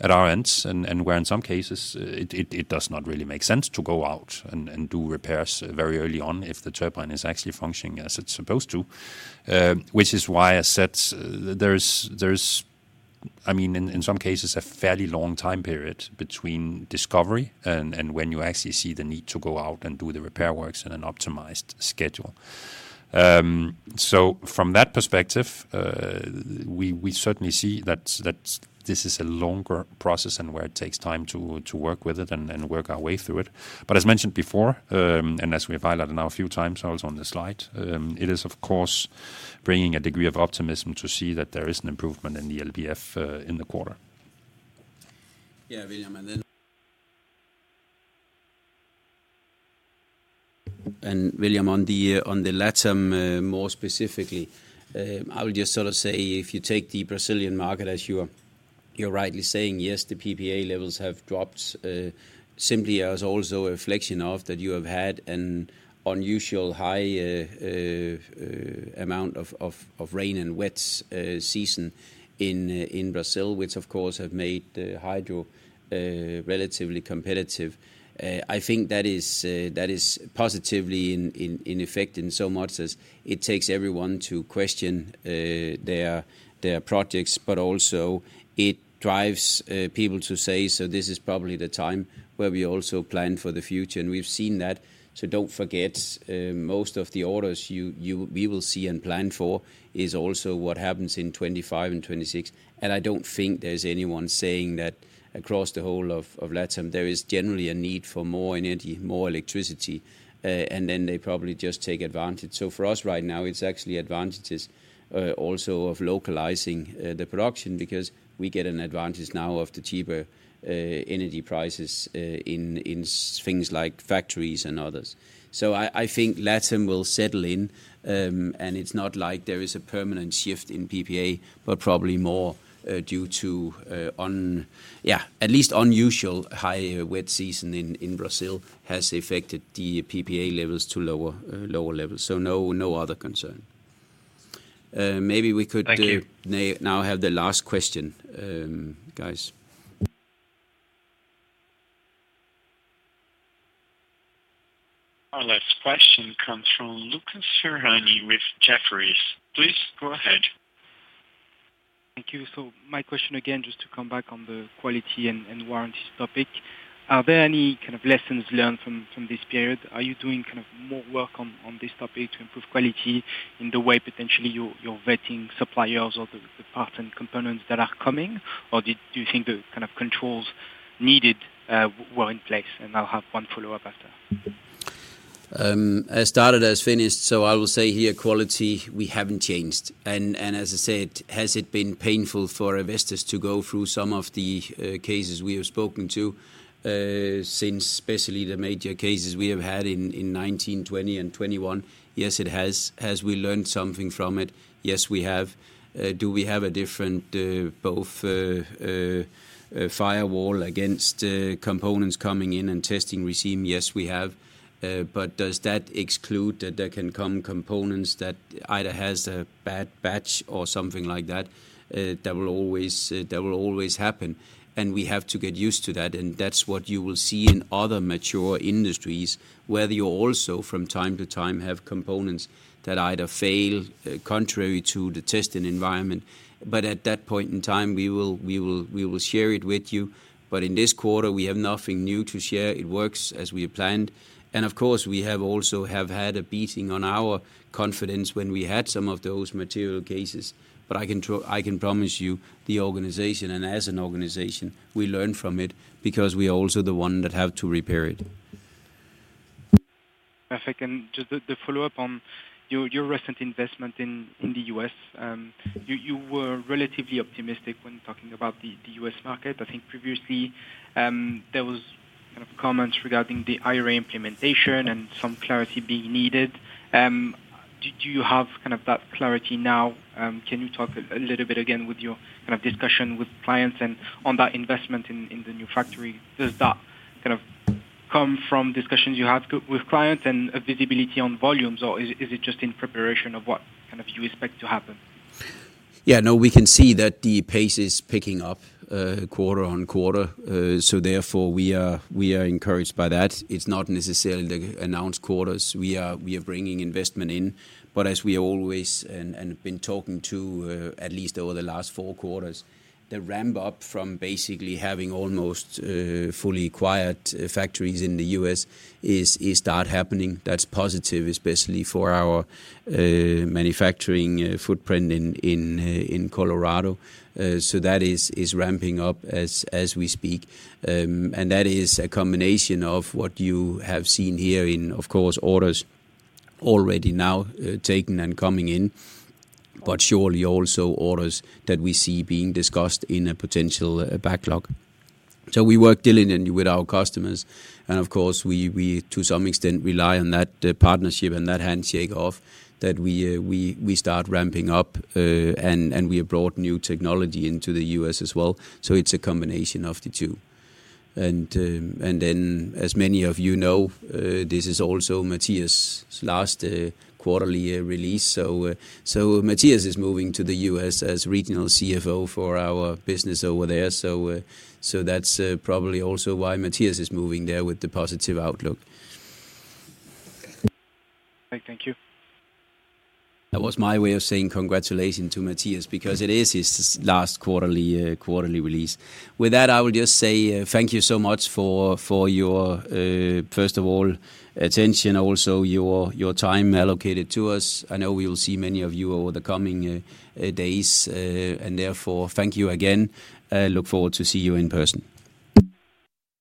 at our end, and where in some cases, it does not really make sense to go out and do repairs very early on if the turbine is actually functioning as it's supposed to. Which is why I said I mean, in some cases, a fairly long time period between discovery and when you actually see the need to go out and do the repair works in an optimized schedule. From that perspective, we certainly see that this is a longer process and where it takes time to work with it and work our way through it. As mentioned before, and as we have highlighted now a few times also on the slide, it is of course, bringing a degree of optimism to see that there is an improvement in the LPF, in the quarter. Yeah, William, William, on the LATAM, more specifically, I would just sort of say if you take the Brazilian market as You're rightly saying, yes, the PPA levels have dropped, simply as also a reflection of that you have had an unusual high amount of rain and wets season in Brazil, which of course, have made the hydro relatively competitive. I think that is positively in effect, in so much as it takes everyone to question their projects, but also it drives people to say, "So this is probably the time where we also plan for the future." We've seen that. Don't forget, most of the orders you, you- we will see and plan for, is also what happens in 2025 and 2026. I don't think there's anyone saying that across the whole of, of LATAM, there is generally a need for more energy, more electricity, and then they probably just take advantage. For us right now, it's actually advantages, also of localizing, the production, because we get an advantage now of the cheaper, energy prices, in, in s-things like factories and others. I, I think LATAM will settle in, and it's not like there is a permanent shift in PPA, but probably more, due to, un-yeah, at least unusual high wet season in, in Brazil has affected the PPA levels to lower, lower levels. No, no other concern. Maybe we could Thank you. Now have the last question, guys. Our last question comes from Lucas Ferhani with Jefferies. Please go ahead. Thank you. My question again, just to come back on the quality and, and warranties topic. Are there any kind of lessons learned from, from this period? Are you doing kind of more work on, on this topic to improve quality in the way potentially you're, you're vetting suppliers or the, the parts and components that are coming? Or do, do you think the kind of controls needed were in place? I'll have one follow-up after. As started, as finished, I will say here, quality, we haven't changed. As I said, has it been painful for Vestas to go through some of the cases we have spoken to since especially the major cases we have had in, in 2019, 2020 and 2021? Yes, it has. Have we learned something from it? Yes, we have. Do we have a different, both, firewall against components coming in and testing regime? Yes, we have. Does that exclude that there can come components that either has a bad batch or something like that? That will always, that will always happen, and we have to get used to that, and that's what you will see in other mature industries, where you're also, from time to time, have components that either fail, contrary to the testing environment. At that point in time, we will, we will, we will share it with you. In this quarter, we have nothing new to share. It works as we planned. Of course, we have also have had a beating on our confidence when we had some of those material cases. I can promise you, the organization and as an organization, we learn from it because we are also the one that have to repair it. Perfect. Just the follow-up on your recent investment in the U.S. You were relatively optimistic when talking about the U.S. market. I think previously, there was kind of comments regarding the IRA implementation and some clarity being needed. Do you have kind of that clarity now? Can you talk a little bit again with your kind of discussion with clients and on that investment in the new factory? Does that kind of come from discussions you have with clients and a visibility on volumes, or is it just in preparation of what kind of you expect to happen? Yeah, no, we can see that the pace is picking up, quarter-on-quarter. Therefore, we are, we are encouraged by that. It's not necessarily the announced quarters. We are, we are bringing investment in, but as we always and, and been talking to, at least over the last four quarters, the ramp up from basically having almost fully acquired factories in the U.S. is, is start happening. That's positive, especially for our manufacturing footprint in, in Colorado. That is, is ramping up as, as we speak. That is a combination of what you have seen here in, of course, orders already now, taken and coming in, but surely also orders that we see being discussed in a potential backlog. We work diligently with our customers, and of course, we, we, to some extent, rely on that partnership and that handshake of that we, we, we start ramping up, and, and we have brought new technology into the U.S. as well. It's a combination of the two. Then, as many of you know, this is also Matthias's last quarterly release. Matthias is moving to the U.S. as regional CFO for our business over there. That's probably also why Matthias is moving there with the positive outlook. Okay, thank you. That was my way of saying congratulations to Matthias, because it is his last quarterly, quarterly release. With that, I will just say, thank you so much for, for your, first of all, attention, also your, your time allocated to us. I know we will see many of you over the coming, days, and therefore, thank you again. Look forward to see you in person.